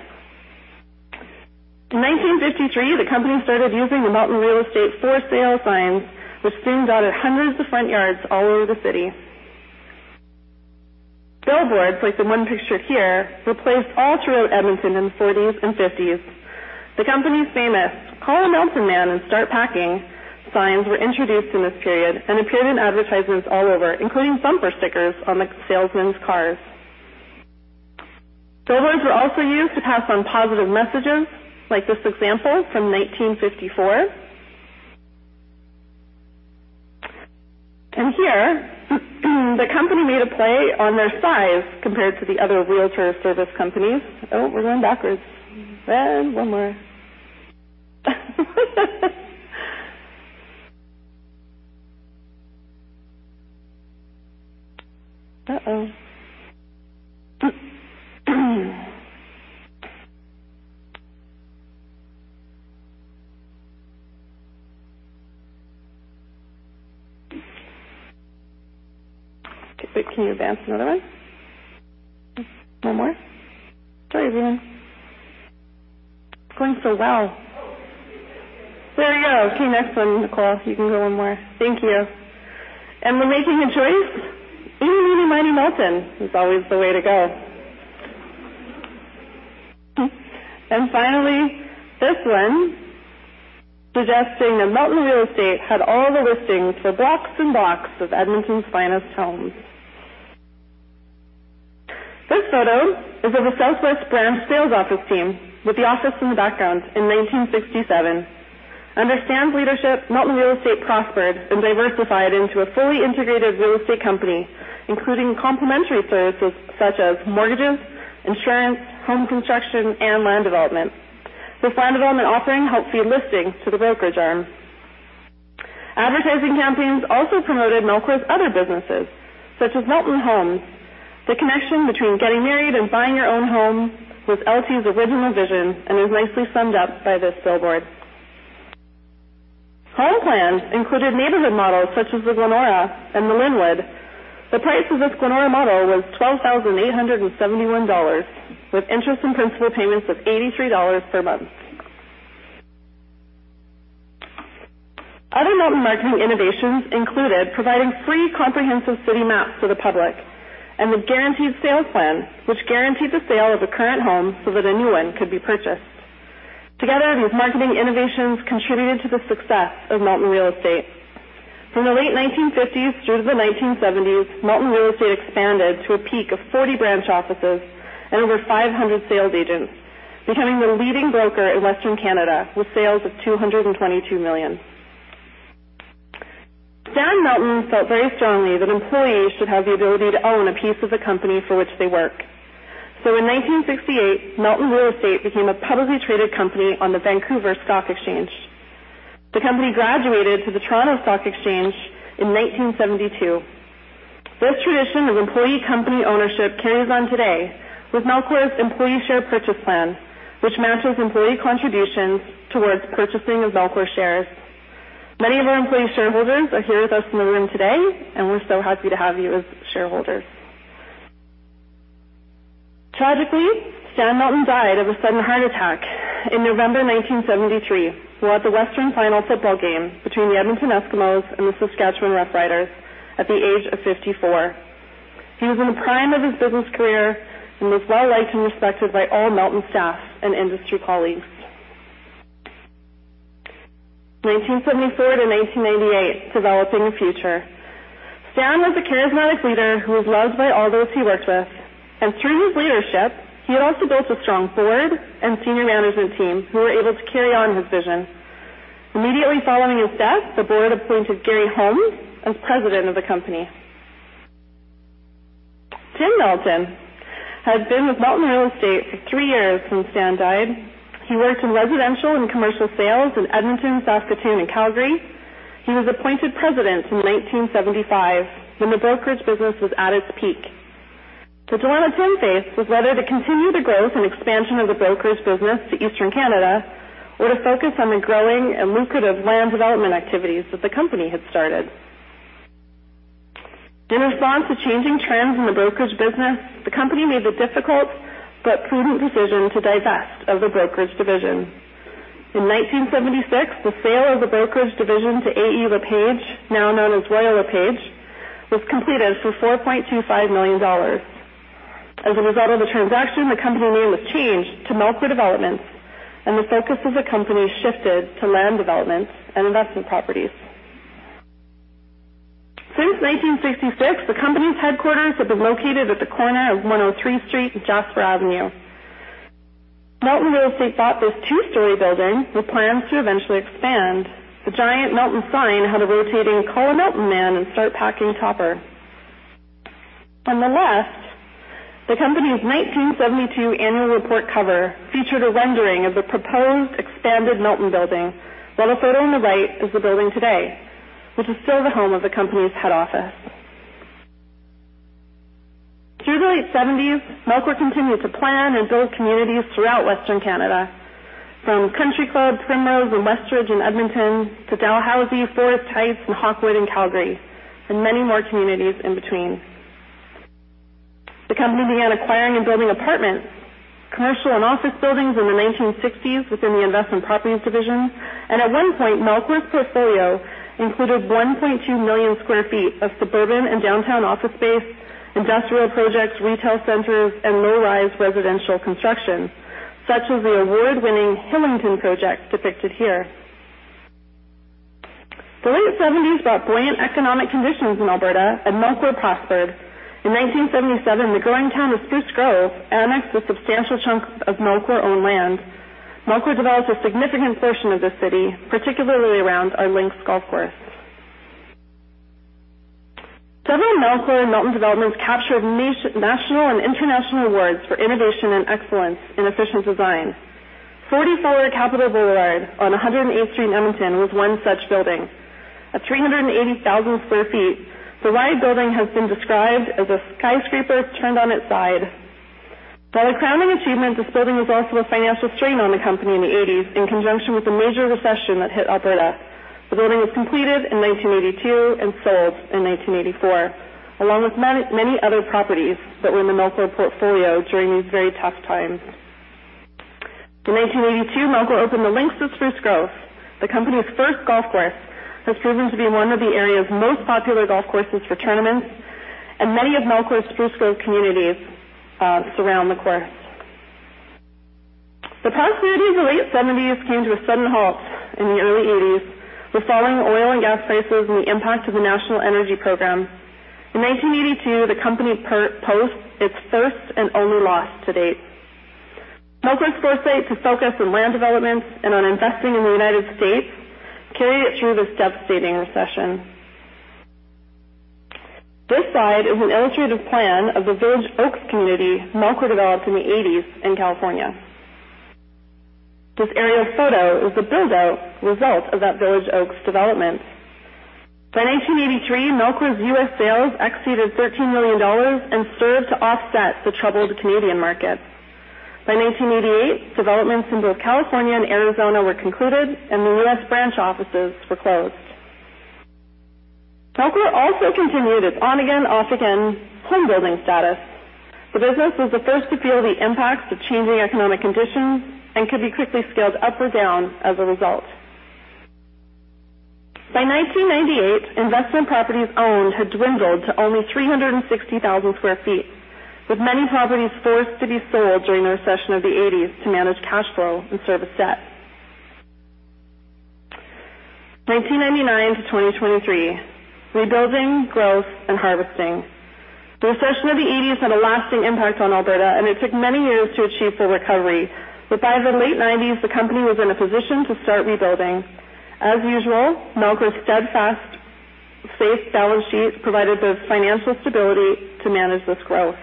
In 1953, the company started using the Melton Real Estate For Sale signs, which soon dotted hundreds of front yards all over the city. Billboards like the one pictured here were placed all throughout Edmonton in the 40s and 50s. The company's famous, "Call a Melton Man and Start Packing" signs were introduced in this period and appeared in advertisements all over, including bumper stickers on the salesmen's cars. Billboards were also used to pass on positive messages like this example from 1954. Here, the company made a play on their size compared to the other realtor service companies. Oh, we're going backwards. One more. Uh-oh. Can you advance another one? One more. Sorry, everyone. It's going so well. There we go. Okay, next one, Nicole. You can go one more. Thank you. When making a choice, eeny, meeny, miny, Melton is always the way to go. Finally, this one suggesting that Melton Real Estate had all the listings for blocks and blocks of Edmonton's finest homes. This photo is of the Southwest branch sales office team with the office in the background in 1967. Under Stan's leadership, Melton Real Estate prospered and diversified into a fully integrated real estate company, including complimentary services such as mortgages, insurance, home construction, and land development. This land development offering helped feed listings to the brokerage arm. Advertising campaigns also promoted Melcor's other businesses, such as Melton Homes. The connection between getting married and buying your own home was L.T.'s original vision and is nicely summed up by this billboard. Home plans included neighborhood models such as the Glenora and the Lynwood. The price of this Glenora model was 12,871 dollars, with interest and principal payments of 83 dollars per month. Other Melton marketing innovations included providing free comprehensive city maps to the public and the guaranteed sales plan, which guaranteed the sale of a current home so that a new one could be purchased. Together, these marketing innovations contributed to the success of Melton Real Estate. From the late 1950s through to the 1970s, Melton Real Estate expanded to a peak of 40 branch offices and over 500 sales agents, becoming the leading broker in western Canada with sales of 222 million. Stan Melton felt very strongly that employees should have the ability to own a piece of the company for which they work. In 1968, Melton Real Estate became a publicly traded company on the Vancouver Stock Exchange. The company graduated to the Toronto Stock Exchange in 1972. This tradition of employee company ownership carries on today with Melcor's employee share purchase plan, which matches employee contributions towards purchasing of Melcor shares. Many of our employee shareholders are here with us in the room today, and we're so happy to have you as shareholders. Tragically, Stan Melton died of a sudden heart attack in November 1973 while at the Western Final football game between the Edmonton Eskimos and the Saskatchewan Roughriders at the age of 54. He was in the prime of his business career and was well-liked and respected by all Melton staff and industry colleagues. 1974-1998, developing the future. Stan was a charismatic leader who was loved by all those he worked with. Through his leadership, he had also built a strong board and senior management team who were able to carry on his vision. Immediately following his death, the board appointed Garry Holmes as president of the company. Timothy Melton had been with Melton Real Estate for 3 years when Stan Melton died. He worked in residential and commercial sales in Edmonton, Saskatoon, and Calgary. He was appointed president in 1975 when the brokerage business was at its peak. The dilemma Timothy faced was whether to continue the growth and expansion of the brokerage business to eastern Canada or to focus on the growing and lucrative land development activities that the company had started. In response to changing trends in the brokerage business, the company made the difficult but prudent decision to divest of the brokerage division. In 1976, the sale of the brokerage division to A.E. LePage, now known as Royal LePage, was completed for 4.25 million dollars. As a result of the transaction, the company name was changed to Melcor Developments, and the focus of the company shifted to land development and investment properties. Since 1866, the company's headquarters have been located at the corner of 103 Street and Jasper Avenue. Melton Real Estate bought this two-story building with plans to eventually expand. The giant Melton sign had a rotating Call Melton Man and Start Packing topper. On the left, the company's 1972 annual report cover featured a rendering of the proposed expanded Melton building, while the photo on the right is the building today, which is still the home of the company's head office. Through the late seventies, Melcor continued to plan and build communities throughout Western Canada, from Country Club, Primrose, and Westridge in Edmonton to Dalhousie, Forest Heights, and Hawkwood in Calgary, and many more communities in between. The company began acquiring and building apartments, commercial and office buildings in the nineteen sixties within the Investment Properties division. At one point, Melcor's portfolio included 1.2 million sq ft of suburban and downtown office space, industrial projects, retail centers, and low-rise residential construction, such as the award-winning Hillington project depicted here. The late seventies brought buoyant economic conditions in Alberta, and Melcor prospered. In nineteen seventy-seven, the growing town of Spruce Grove annexed a substantial chunk of Melcor-owned land. Melcor developed a significant portion of the city, particularly around our Links Golf Course. Several Melcor and Melton developments captured national and international awards for innovation and excellence in efficient design. 44 Capital Boulevard on 108th Street, Edmonton, was one such building. At 380,000 sq ft, the wide building has been described as a skyscraper turned on its side. While a crowning achievement, this building was also a financial strain on the company in the 1980s in conjunction with a major recession that hit Alberta. The building was completed in 1982 and sold in 1984, along with many other properties that were in the Melcor portfolio during these very tough times. In 1982, Melcor opened the Links at Spruce Grove. The company's first golf course has proven to be one of the area's most popular golf courses for tournaments, and many of Melcor's Spruce Grove communities surround the course. The prosperity of the late 1970s came to a sudden halt in the early 1980s with falling oil and gas prices and the impact of the National Energy Program. In 1982, the company posts its first and only loss to date. Melcor's foresight to focus on land developments and on investing in the United States carried it through this devastating recession. This slide is an illustrative plan of the Village Oaks community Melcor developed in the 1980s in California. This aerial photo is the build-out result of that Village Oaks development. By 1983, Melcor's U.S. sales exceeded $13 million and served to offset the troubled Canadian market. By 1988, developments in both California and Arizona were concluded, and the U.S. branch offices were closed. Melcor also continued its on-again, off-again home-building status. The business was the first to feel the impacts of changing economic conditions and could be quickly scaled up or down as a result. By 1998, investment properties owned had dwindled to only 360,000 sq ft, with many properties forced to be sold during the recession of the '80s to manage cash flow and service debt. 1999-2023, rebuilding, growth, and harvesting. The recession of the '80s had a lasting impact on Alberta, and it took many years to achieve the recovery, but by the late '90s, the company was in a position to start rebuilding. As usual, Melcor's steadfast, safe balance sheet provided the financial stability to manage this growth.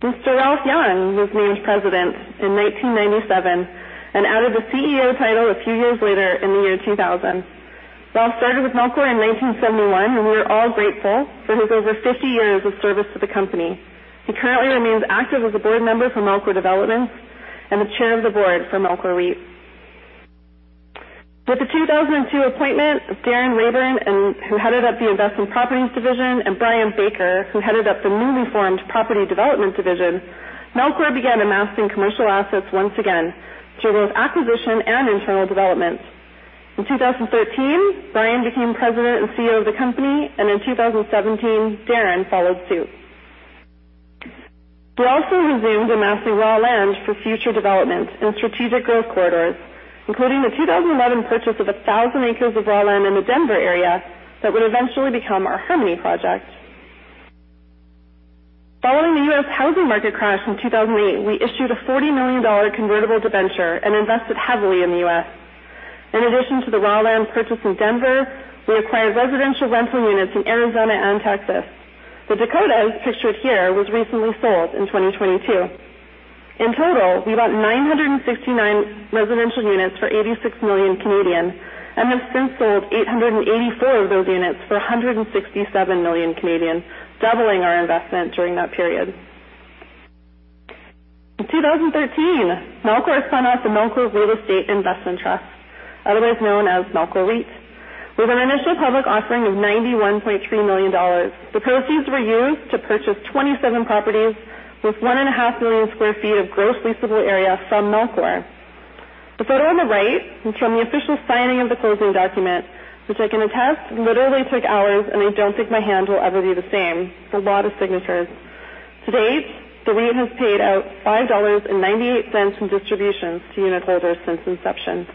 Mr. Ralph Young was named President in 1997 and added the CEO title a few years later in the year 2000. Ralph started with Melcor in 1971. We are all grateful for his over 50 years of service to the company. He currently remains active as a board member for Melcor Developments and the chair of the board for Melcor REIT. With the 2002 appointment of Darin Rayburn who headed up the Investment Properties division, and Brian Baker, who headed up the newly formed property development division, Melcor began amassing commercial assets once again through both acquisition and internal development. In 2013, Brian became President and CEO of the company. In 2017, Darin followed suit. We also resumed amassing raw land for future development in strategic growth corridors, including the 2011 purchase of 1,000 acres of raw land in the Denver area that would eventually become our Harmony project. Following the U.S. housing market crash in 2008, we issued a $40 million convertible debenture and invested heavily in the U.S. In addition to the raw land purchase in Denver, we acquired residential rental units in Arizona and Texas. The Dakota, as pictured here, was recently sold in 2022. In total, we bought 969 residential units for 86 million. We have since sold 884 of those units for 167 million, doubling our investment during that period. In 2013, Melcor spun off the Melcor Real Estate Investment Trust, otherwise known as Melcor REIT, with an initial public offering of 91.3 million dollars. The proceeds were used to purchase 27 properties with 1.5 million sq ft of gross leasable area from Melcor. The photo on the right is from the official signing of the closing document, which I can attest literally took hours, and I don't think my hand will ever be the same. A lot of signatures. To date, the REIT has paid out 5.98 dollars in distributions to unitholders since inception.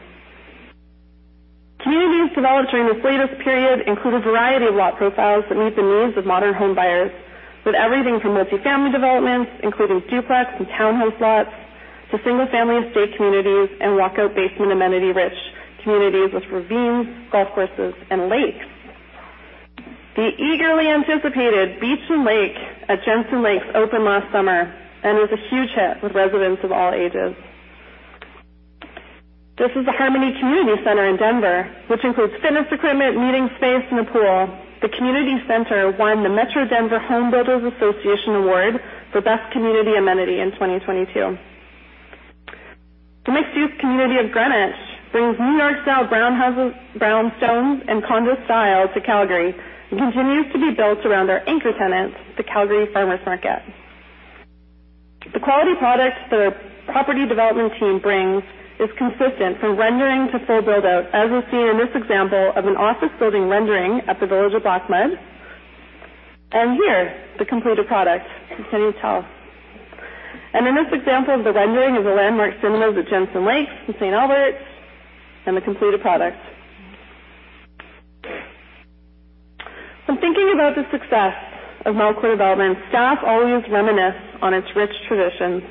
Communities developed during this latest period include a variety of lot profiles that meet the needs of modern home buyers with everything from multi-family developments, including duplex and townhouse lots to single-family estate communities and walkout basement amenity-rich communities with ravines, golf courses and lakes. The eagerly anticipated Beach and Lake at Jensen Lakes opened last summer and was a huge hit with residents of all ages. This is the Harmony Community Center in Denver, which includes fitness equipment, meeting space, and a pool. The community center won the Home Builders Association of Metro Denver Award for best community amenity in 2022. The mixed-use community of Greenwich brings New York-style brown houses, brownstones, and condo style to Calgary and continues to be built around our anchor tenant, the Calgary Farmers' Market. The quality products that our property development team brings is consistent for rendering to full build-out, as we see in this example of an office building rendering at The Village at Blackmud Creek. Here the completed product. Can you tell? In this example of the rendering of a landmark similar to Jensen Lakes in St. Albert and the completed product. When thinking about the success of Melcor Developments, staff always reminisce on its rich traditions.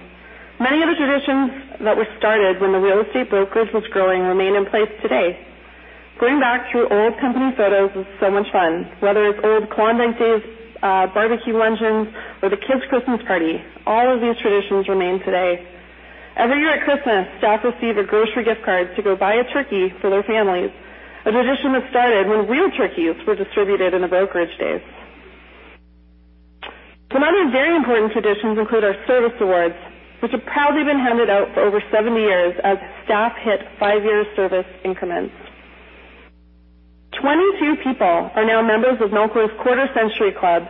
Many of the traditions that were started when the real estate brokerage was growing remain in place today. Going back through old company photos is so much fun. Whether it's old Colonel Day's barbecue luncheons or the kids' Christmas party, all of these traditions remain today. Every year at Christmas, staff receive a grocery gift card to go buy a turkey for their families, a tradition that started when real turkeys were distributed in the brokerage days. Some other very important traditions include our service awards, which have proudly been handed out for over 70 years as staff hit 5-year service increments. 22 people are now members of Melcor's Quarter Century Club,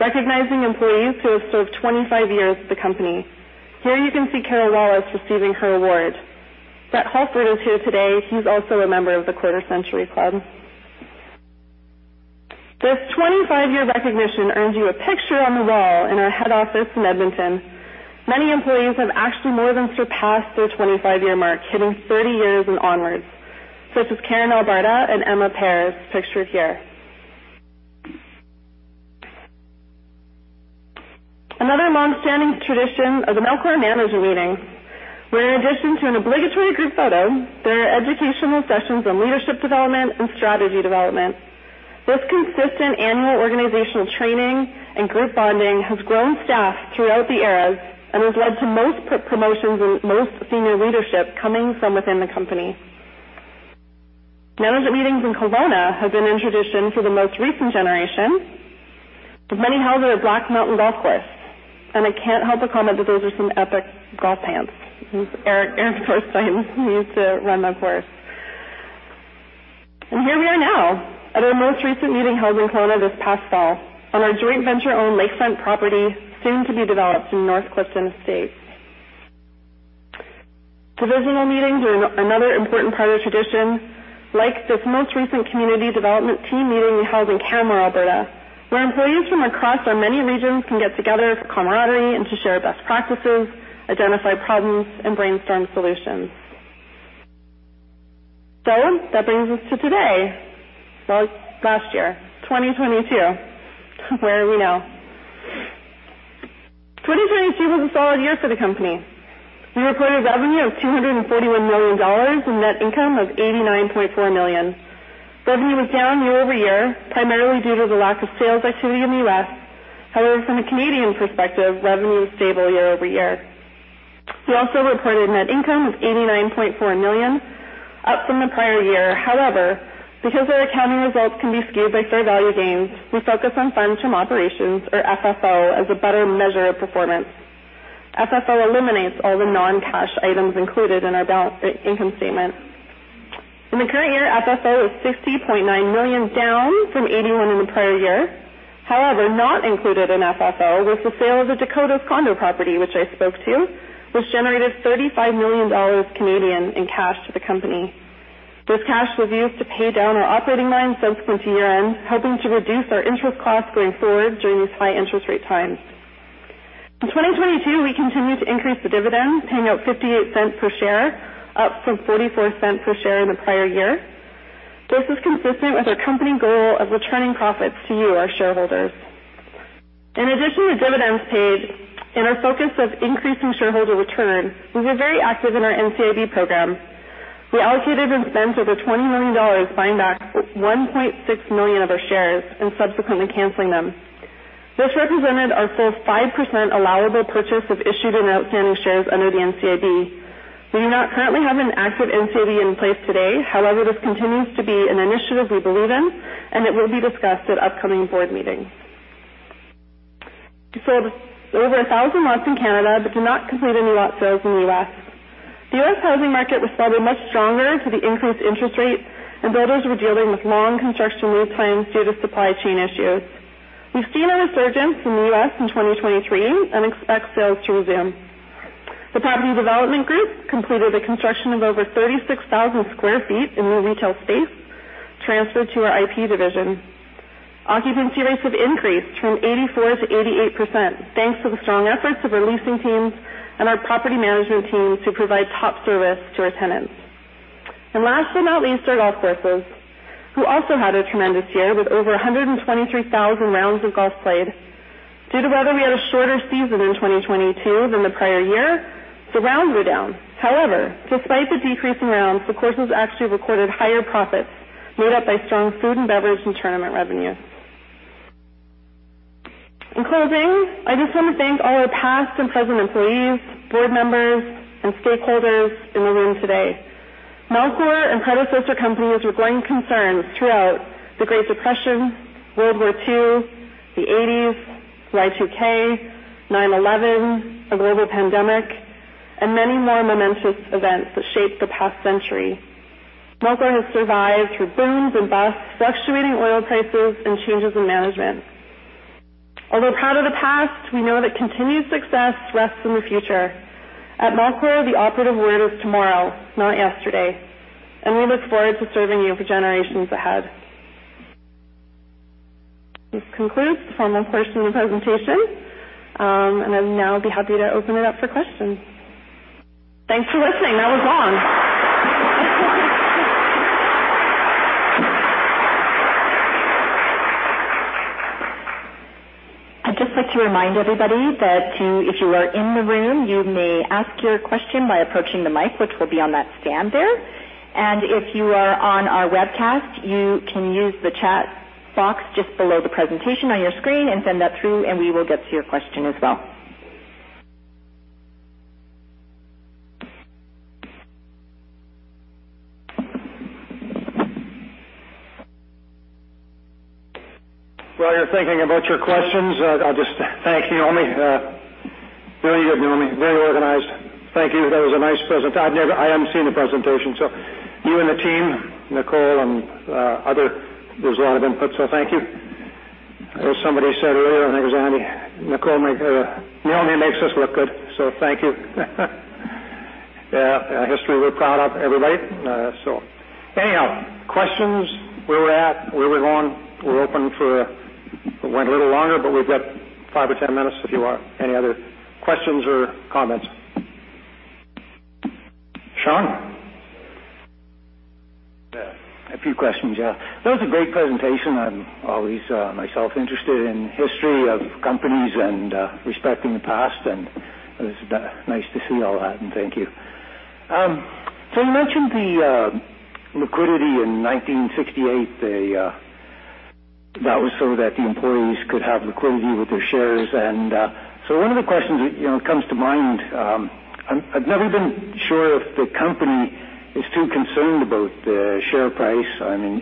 recognizing employees who have served 25 years at the company. Here you can see Carol Wallace receiving her award. Brett Hulford is here today. He's also a member of the Quarter Century Club. This 25-year recognition earns you a picture on the wall in our head office in Edmonton. Many employees have actually more than surpassed their 25-year mark, hitting 30 years and onwards, such as Karen Alberda and Emma Paris, pictured here. Another long-standing tradition is the Melcor manager meeting, where in addition to an obligatory group photo, there are educational sessions on leadership development and strategy development. This consistent annual organizational training and group bonding has grown staff throughout the eras and has led to most promotions and most senior leadership coming from within the company. Manager meetings in Kelowna have been a tradition for the most recent generation, with many held at Black Mountain Golf Course. I can't help but comment that those are some epic golf pants. This is Eric. Eric of course telling me to run my course. Here we are now at our most recent meeting, held in Kelowna this past fall on our joint venture-owned lakefront property, soon to be developed in North Clifton Estate. Divisional meetings are another important part of tradition, like this most recent community development team meeting we held in Camrose, Alberta, where employees from across our many regions can get together for camaraderie and to share best practices, identify problems, and brainstorm solutions. That brings us to today. Well, last year. 2022. Where are we now? 2022 was a solid year for the company. We reported revenue of 241 million dollars and net income of 89.4 million. Revenue was down year-over-year, primarily due to the lack of sales activity in the US. However, from a Canadian perspective, revenue was stable year-over-year. We also reported net income of 89.4 million, up from the prior year. Because our accounting results can be skewed by fair value gains, we focus on funds from operations or FFO as a better measure of performance. FFO eliminates all the non-cash items included in our income statement. In the current year, FFO is 60.9 million, down from 81 million in the prior year. Not included in FFO was the sale of the Dakotas condo property, which I spoke to, which generated 35 million Canadian dollars in cash to the company. This cash was used to pay down our operating line subsequent to year-end, helping to reduce our interest costs going forward during these high interest rate times. In 2022, we continued to increase the dividend, paying out $0.58 per share, up from $0.44 per share in the prior year. This is consistent with our company goal of returning profits to you, our shareholders. In addition to dividends paid and our focus of increasing shareholder return, we were very active in our NCIB program. We allocated and spent over $20 million buying back 1.6 million of our shares and subsequently canceling them. This represented our full 5% allowable purchase of issued and outstanding shares under the NCIB. We do not currently have an active NCIB in place today. However, this continues to be an initiative we believe in, and it will be discussed at upcoming board meetings. We sold over 1,000 lots in Canada but did not complete any lot sales in the U.S. The U.S. housing market was probably much stronger to the increased interest rates, and builders were dealing with long construction lead times due to supply chain issues. We've seen a resurgence in the U.S. in 2023 and expect sales to resume. The property development group completed the construction of over 36,000 sq ft in new retail space transferred to our IP division. Occupancy rates have increased from 84%-88%, thanks to the strong efforts of our leasing teams and our property management teams to provide top service to our tenants. Last but not least, our golf courses, who also had a tremendous year with over 123,000 rounds of golf played. Due to weather, we had a shorter season in 2022 than the prior year. Rounds were down. However, despite the decrease in rounds, the courses actually recorded higher profits made up by strong food and beverage and tournament revenue. In closing, I just want to thank all our past and present employees, board members, and stakeholders in the room today. Melcor and predecessor companies were growing concerns throughout the Great Depression, World War II, the 80s, Y2K, 9/11, a global pandemic, and many more momentous events that shaped the past century. Melcor has survived through booms and busts, fluctuating oil prices, and changes in management. Although proud of the past, we know that continued success rests in the future. At Melcor, the operative word is tomorrow, not yesterday, and we look forward to serving you for generations ahead. This concludes the formal portion of the presentation, and I'd now be happy to open it up for questions. Thanks for listening. That was long. I'd just like to remind everybody that if you are in the room, you may ask your question by approaching the mic, which will be on that stand there. If you are on our webcast, you can use the chat box just below the presentation on your screen and send that through, and we will get to your question as well.
While you're thinking about your questions, I'll just thank Naomi. Very good, Naomi. Very organized. Thank you. That was a nice present. I haven't seen the presentation. You and the team, Nicole and other, there's a lot of input, so thank you. As somebody said earlier, I think it was Andy, Nicole make Naomi makes us look good, so thank you. Yeah, a history we're proud of, everybody. Anyhow, questions, where we're at, where we're going, we're open for. We went a little longer, but we've got five or 10 minutes if you want. Any other questions or comments? Sean? Yeah. A few questions. Yeah. That was a great presentation. I'm always myself interested in history of companies and respecting the past, and it's nice to see all that. Thank you. You mentioned the liquidity in 1968. That was so that the employees could have liquidity with their shares. One of the questions that, you know, comes to mind, I've never been sure if the company is too concerned about the share price. I mean,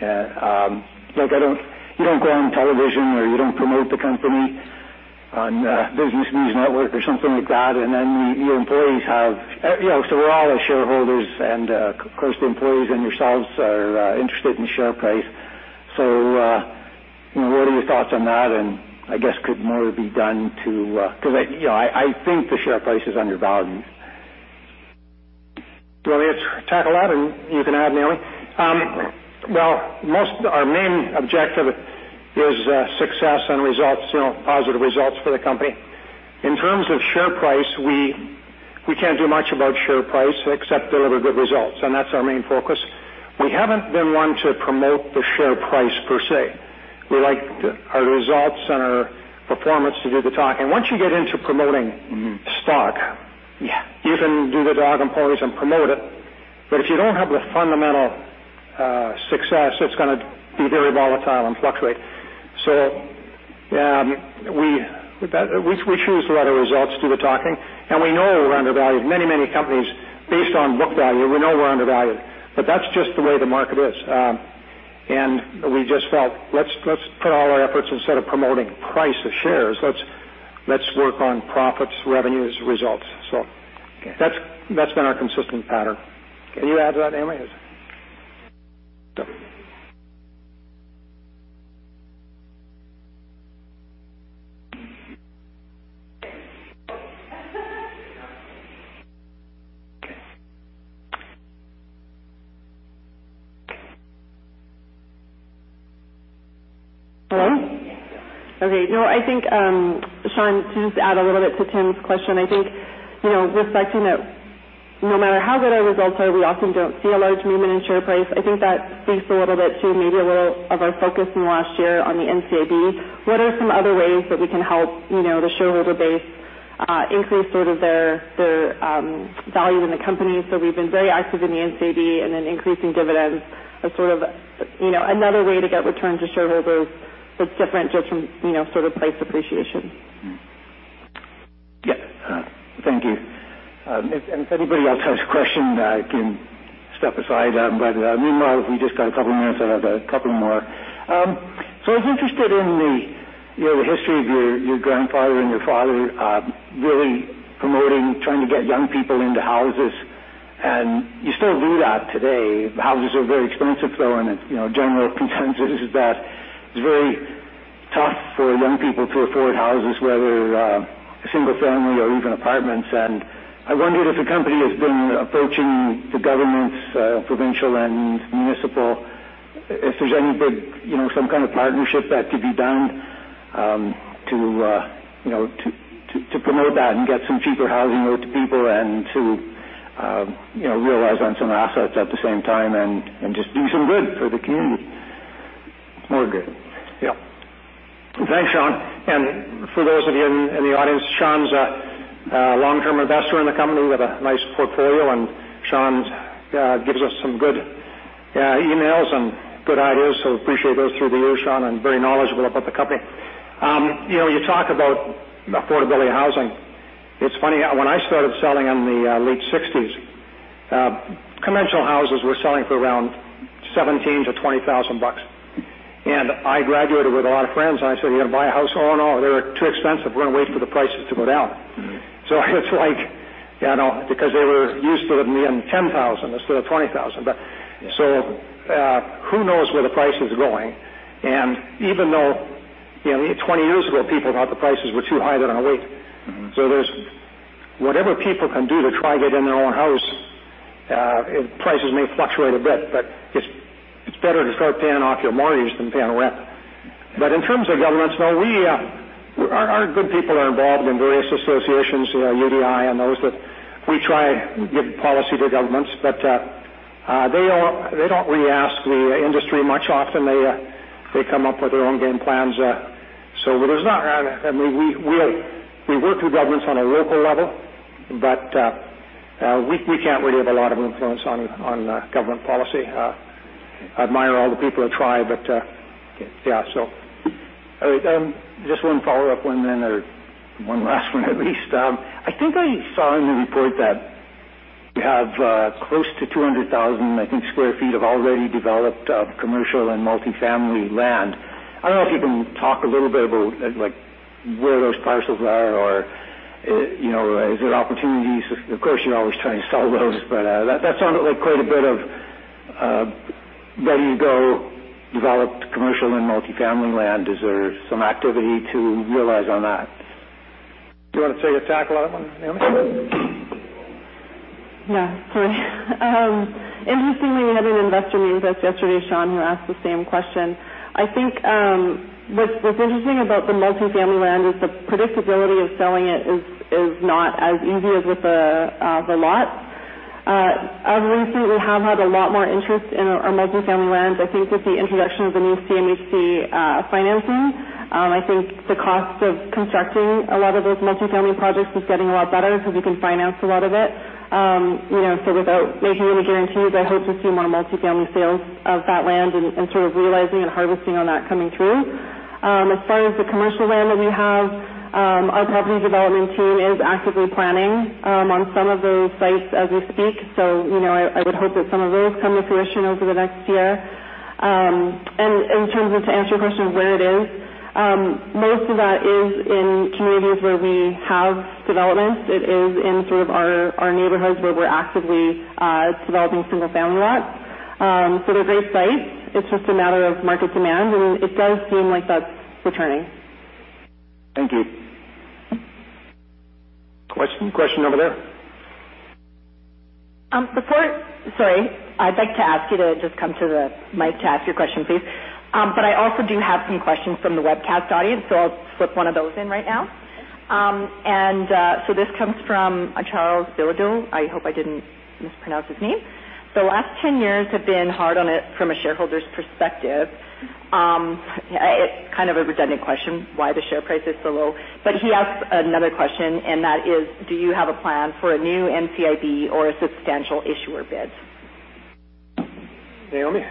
like, I don't, you don't go on television, or you don't promote the company on Business News Network or something like that. Your employees have, you know, so we're all shareholders. Of course, the employees and yourselves are interested in share price. You know, what are your thoughts on that?
I guess could more be done to, 'cause I, you know, I think the share price is undervalued.
Do you want me to tackle that? You can add, Naomi. Well, our main objective is success and results, you know, positive results for the company. In terms of share price, we can't do much about share price except deliver good results. That's our main focus. We haven't been one to promote the share price per se. We like our results and our performance to do the talking. Once you get into promoting stock.
Yeah.
you can do the dog and pony and promote it, but if you don't have the fundamental, success, it's gonna be very volatile and fluctuate. We choose to let our results do the talking. We know we're undervalued. Many companies based on book value, we know we're undervalued, but that's just the way the market is. We just felt, let's put all our efforts instead of promoting price of shares. Let's work on profits, revenues, results. That's been our consistent pattern. Can you add to that, Naomi?
Hello? Okay. No, I think, Sean, to just add a little bit to Tim's question, I think, you know, reflecting that no matter how good our results are, we often don't see a large movement in share price. I think that speaks a little bit to maybe a little of our focus in the last year on the NCIB. What are some other ways that we can help, you know, the shareholder base increase sort of their value in the company. We've been very active in the NCIB and then increasing dividends as sort of, you know, another way to get return to shareholders that's different just from, you know, sort of price appreciation. Yeah. Thank you. If anybody else has a question, I can step aside. Meanwhile, if we just got a couple of minutes, I'll have a couple more. I was interested in the, you know, the history of your grandfather and your father, really promoting, trying to get young people into houses. You still do that today. Houses are very expensive, though, and, you know, general consensus is that it's very tough for young people to afford houses, whether single family or even apartments. I wondered if the company has been approaching the governments, provincial and municipal, if there's any big, you know, some kind of partnership that could be done, to, you know, to promote that and get some cheaper housing out to people and to, you know, realize on some assets at the same time and just do some good for the community.
More good. Yeah. Thanks, Sean. For those of you in the audience, Sean's a long-term investor in the company with a nice portfolio, and Sean's gives us some good emails and good ideas, so appreciate those through the years, Sean, and very knowledgeable about the company. You know, you talk about affordability of housing. It's funny, when I started selling in the late sixties, conventional houses were selling for around 17 thousand-20 thousand bucks. I graduated with a lot of friends, and I said, "You gotta buy a house." "Oh, no, they're too expensive. We're gonna wait for the prices to go down. Mm-hmm. It's like, you know, because they were used to it being 10,000 instead of 20,000. Yeah. Who knows where the price is going. Even though, you know, 20 years ago, people thought the prices were too high, they're gonna wait. Mm-hmm. Whatever people can do to try to get in their own house, prices may fluctuate a bit, but it's better to start paying off your mortgage than paying rent. In terms of governments, no, we, our good people are involved in various associations, UDI and those, that we try giving policy to governments. They don't really ask the industry much often. They come up with their own game plans. I mean, we work with governments on a local level, but we can't really have a lot of influence on government policy. I admire all the people that try, but yeah.
All right. Just one follow-up one then, or one last one, at least. I think I saw in the report that you have close to 200,000, I think, square feet of already developed commercial and multifamily land. I don't know if you can talk a little bit about, like, where those parcels are or, you know, is there opportunities? Of course, you're always trying to sell those, but that sounded like quite a bit of ready-to-go, developed commercial and multifamily land. Is there some activity to realize on that?
Do you want to take a tackle on it, Naomi?
Sure. Interestingly, we had an investor meet with us yesterday, Sean, who asked the same question. I think what's interesting about the multifamily land is the predictability of selling it is not as easy as with the lots. As of recent, we have had a lot more interest in our multifamily land. I think with the introduction of the new CMHC financing, I think the cost of constructing a lot of those multifamily projects is getting a lot better because we can finance a lot of it. You know, so without making any guarantees, I hope to see more multifamily sales of that land and sort of realizing and harvesting on that coming through. As far as the commercial land that we have, our property development team is actively planning on some of those sites as we speak. You know, I would hope that some of those come to fruition over the next year. In terms of to answer your question of where it is, most of that is in communities where we have developments. It is in sort of our neighborhoods where we're actively developing single-family lots. They're great sites. It's just a matter of market demand, and it does seem like that's returning.
Thank you.
Question. Question over there.
Sorry. I'd like to ask you to just come to the mic to ask your question, please. I also do have some questions from the webcast audience, so I'll slip one of those in right now. So this comes from a Charles Dildel. I hope I didn't mispronounce his name. The last 10 years have been hard on it from a shareholder's perspective. It's kind of a redundant question, why the share price is so low. He asks another question, and that is, do you have a plan for a new NCIB or a substantial issuer bid?
Naomi.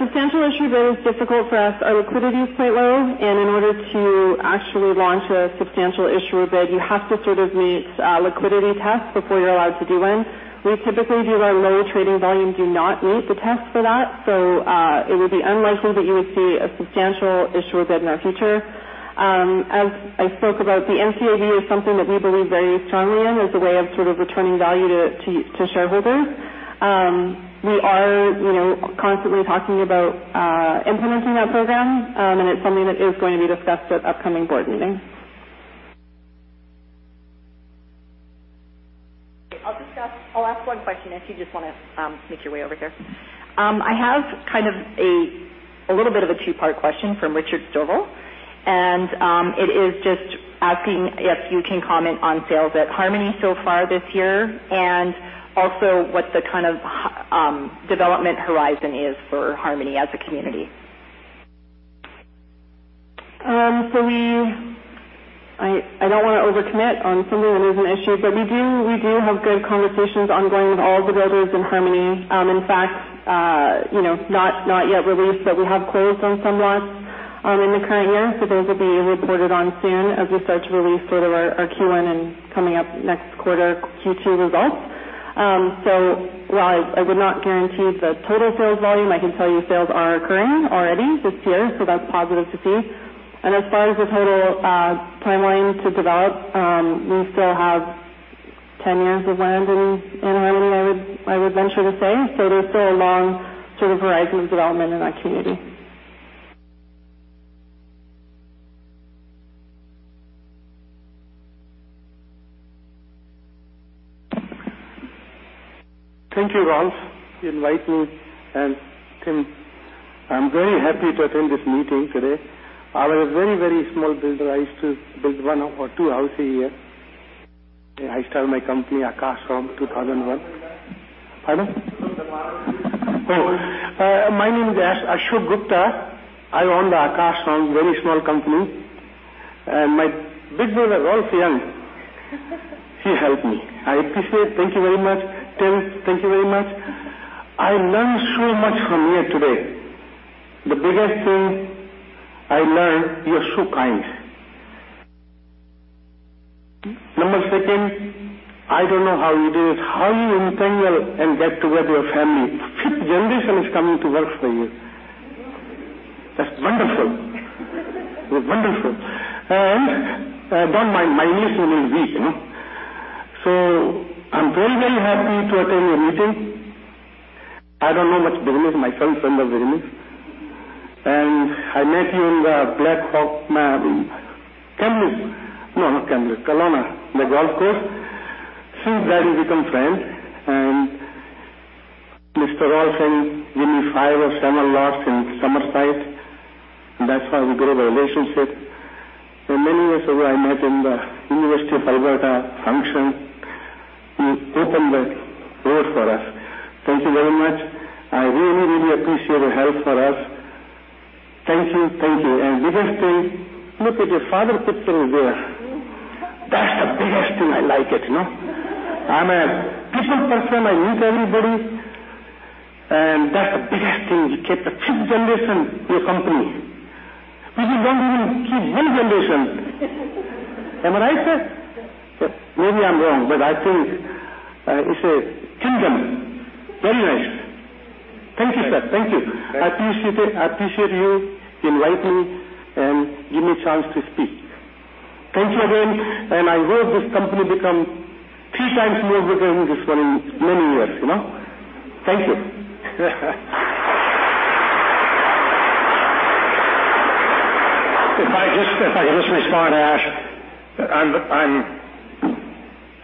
Substantial issuer bid is difficult for us. Our liquidity is quite low, and in order to actually launch a substantial issuer bid, you have to sort of meet a liquidity test before you're allowed to do one. We typically, due to our low trading volume, do not meet the test for that. It would be unlikely that you would see a substantial issuer bid in our future. As I spoke about, the NCIB is something that we believe very strongly in as a way of sort of returning value to shareholders. We are, you know, constantly talking about implementing that program, it's something that is going to be discussed at upcoming board meetings.
I'll ask one question if you just wanna make your way over here. I have kind of a little bit of a two-part question from Richard Stovall. It is just asking if you can comment on sales at Harmony so far this year and also what the kind of development horizon is for Harmony as a community.
I don't wanna overcommit on something that is an issue, but we do, we do have good conversations ongoing with all of the builders in Harmony. In fact, you know, not yet released, but we have closed on some lots in the current year. Those will be reported on soon as we start to release sort of our Q1 and coming up next quarter, Q2 results. While I would not guarantee the total sales volume, I can tell you sales are occurring already this year, so that's positive to see. As far as the total timeline to develop, we still have 10 years of land in Harmony, I would venture to say. There's still a long sort of horizon of development in that community.
Thank you, Rolf, inviting and Tim. I'm very happy to attend this meeting today. I was a very, very small builder. I used to build one or two houses a year. I start my company, Akash Homes, 2001. Pardon? My name is Ashok Gupta. I own the Akash Homes, very small company. My big brother, Rolf Jung, he helped me. I appreciate. Thank you very much. Tim, thank you very much. I learned so much from here today. The biggest thing I learned. You are so kind. Number second, I don't know how you do this, how you internal and get together your family. Fifth generation is coming to work for you. That's wonderful. It's wonderful. Don't mind my English is weak, no? I'm very, very happy to attend your meeting. I don't know much business. My son is in the business. I met you in the Blackhawk, Kamloops. No, not Kamloops. Kelowna, the golf course. Since then we become friends, and Mr. Rolf said, "Give me 5 or 7 lots in Summerside." That's how we grew our relationship. Many years ago, I met in the University of Alberta function. He opened the door for us. Thank you very much. I really, really appreciate your help for us. Thank you. Thank you. Biggest thing, look at your father picture is there. That's the biggest thing I like it, no? I'm a people person. I meet everybody. That's the biggest thing. You kept the 5th generation in your company. We don't even keep 1 generation. Am I right, sir? Maybe I'm wrong, but I think, it's a kingdom. Very nice. Thank you, sir. Thank you.
Thanks.
I appreciate it. I appreciate you inviting and giving me a chance to speak. Thank you again. I hope this company become three times more bigger than this one in many years, you know? Thank you.
If I could just respond, Ash. I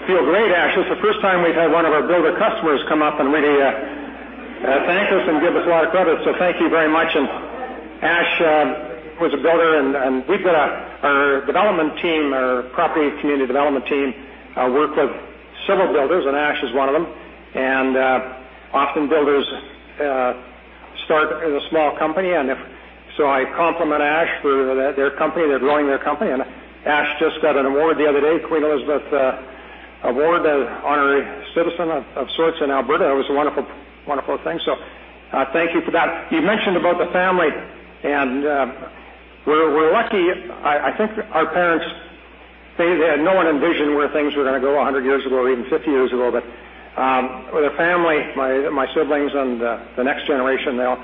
feel great, Ash. It's the first time we've had one of our builder customers come up and really thank us and give us a lot of credit. Thank you very much. Ash was a builder. We've got our development team, our property community development team, work with several builders, and Ash is one of them. Often builders start as a small company. So I compliment Ash for their company. They're growing their company. Ash just got an award the other day, Queen Elizabeth award as honorary citizen of sorts in Alberta. It was a wonderful thing. Thank you for that. You mentioned about the family, and we're lucky. I think our parents, they had no one envisioned where things were gonna go 100 years ago or even 50 years ago. The family, my siblings and the next generation now,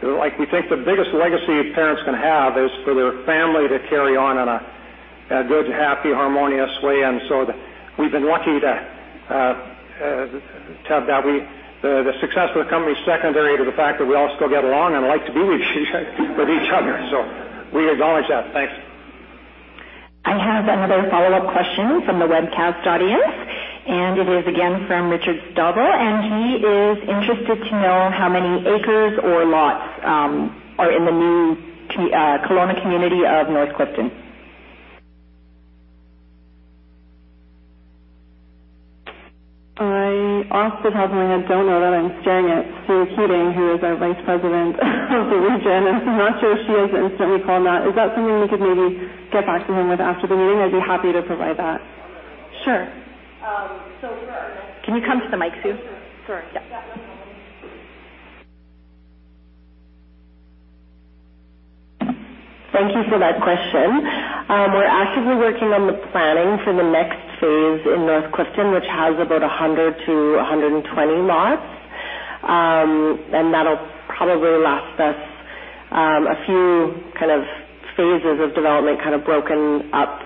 like, we think the biggest legacy parents can have is for their family to carry on in a good, happy, harmonious way. We've been lucky to have that. The success of the company is secondary to the fact that we all still get along and like to be with each other. We acknowledge that. Thanks.
I have another follow-up question from the webcast audience, it is again from Richard Stovall He is interested to know how many acres or lots are in the new Kelowna community of North Clifton?
I off the top of my head don't know that. I'm staring at Sue Keating, who is our vice president of the region. I'm not sure she has instantly called that. Is that something we could maybe get back to him with after the meeting? I'd be happy to provide that.
Sure.
Sure.
Can you come to the mic, Sue?
Sure.
Yeah.
Thank you for that question. We're actively working on the planning for the next phase in North Clifton, which has about 100-120 lots. That'll probably last us a few kind of phases of development, kind of broken up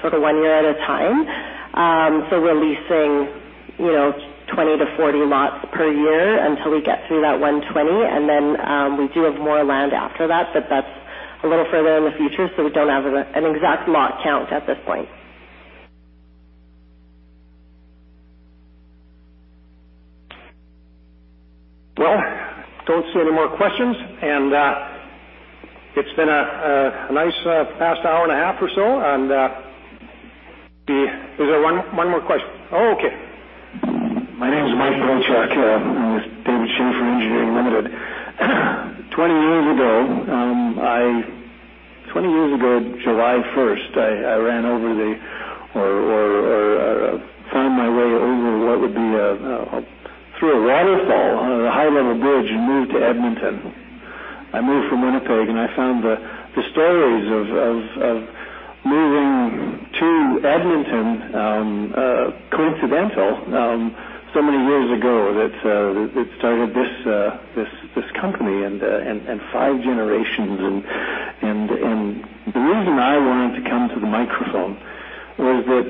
sort of 1 year at a time. We're leasing, you know, 20-40 lots per year until we get through that 120. Then, we do have more land after that, but that's a little further in the future, so we don't have an exact lot count at this point.
Well, don't see any more questions. It's been a nice past hour and a half or so. Is there one more question? Oh, okay.
with David Schaefer Engineering Ltd. 20 years ago, 20 years ago, July 1st, I found my way over what would be through a waterfall on a high-level bridge and moved to Edmonton. I moved from Winnipeg. I found the stories of moving to Edmonton coincidental so many years ago that started this company and 5 generations. The reason I wanted to come to the microphone was that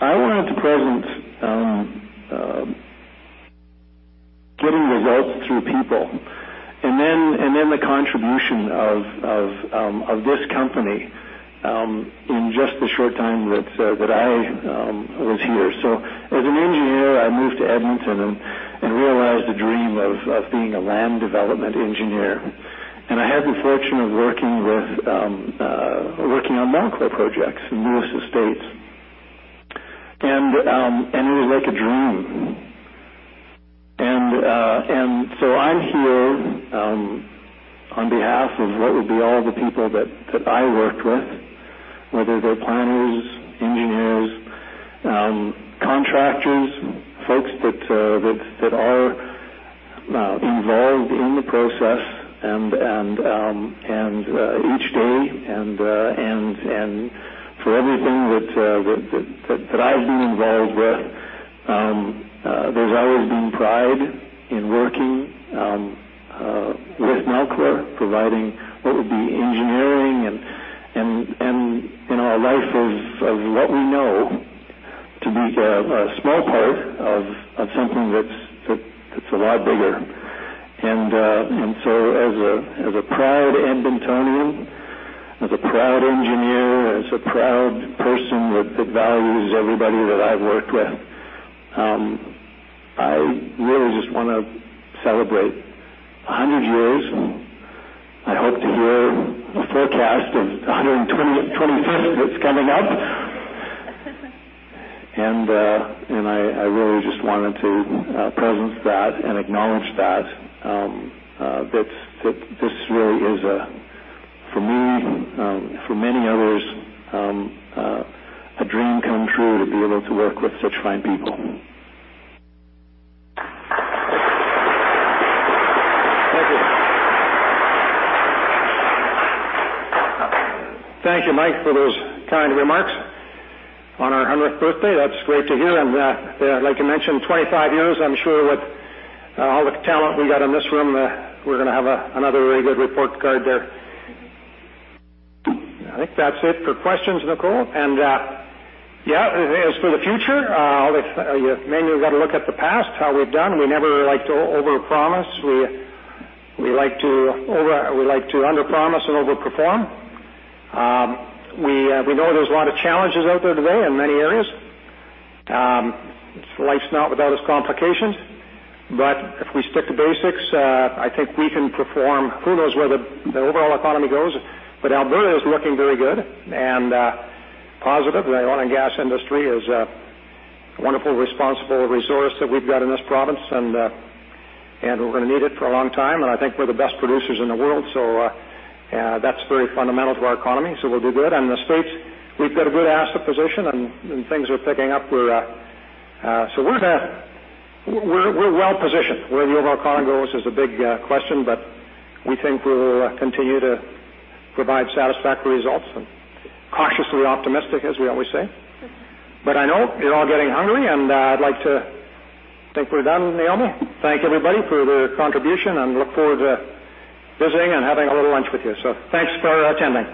I wanted to present getting results through people. The contribution of this company in just the short time that I was here. As an engineer, I moved to Edmonton and realized the dream of being a land development engineer. I had the fortune of working with, working on Melcor projects in the US States. It was like a dream. I'm here, on behalf of what would be all the people that I worked with, whether they're planners, engineers, contractors, folks that are involved in the process and each day and for everything that I've been involved with. There's always been pride in working with Melcor, providing what would be engineering and in our life of what we know to be a small part of something that's a lot bigger. As a proud Edmontonian, as a proud engineer, as a proud person that values everybody that I've worked with, I really just wanna celebrate 100 years. I hope to hear a forecast of a 125th that's coming up. I really just wanted to presence that and acknowledge that this really is for me, for many others, a dream come true to be able to work with such fine people. Thank you.
Thank you, Mike, for those kind remarks on our 100th birthday. That's great to hear. Yeah, like you mentioned, 25 years. I'm sure with all the talent we got in this room, we're gonna have another really good report card there. I think that's it for questions, Nicole. As for the future, all the, yeah, mainly we've got to look at the past, how we've done. We never like to overpromise. We like to underpromise and overperform. We know there's a lot of challenges out there today in many areas. Life's not without its complications, but if we stick to basics, I think we can perform. Who knows where the overall economy goes, but Alberta is looking very good and positive. The oil and gas industry is a wonderful, responsible resource that we've got in this province. We're gonna need it for a long time. I think we're the best producers in the world. That's very fundamental to our economy, so we'll do good. In the States, we've got a good asset position and things are picking up. We're well-positioned. Where the overall economy goes is a big question, but we think we'll continue to provide satisfactory results and cautiously optimistic, as we always say. I know you're all getting hungry, I'd like to thank for that, Naomi. Thank everybody for their contribution and look forward to visiting and having a little lunch with you. Thanks for attending.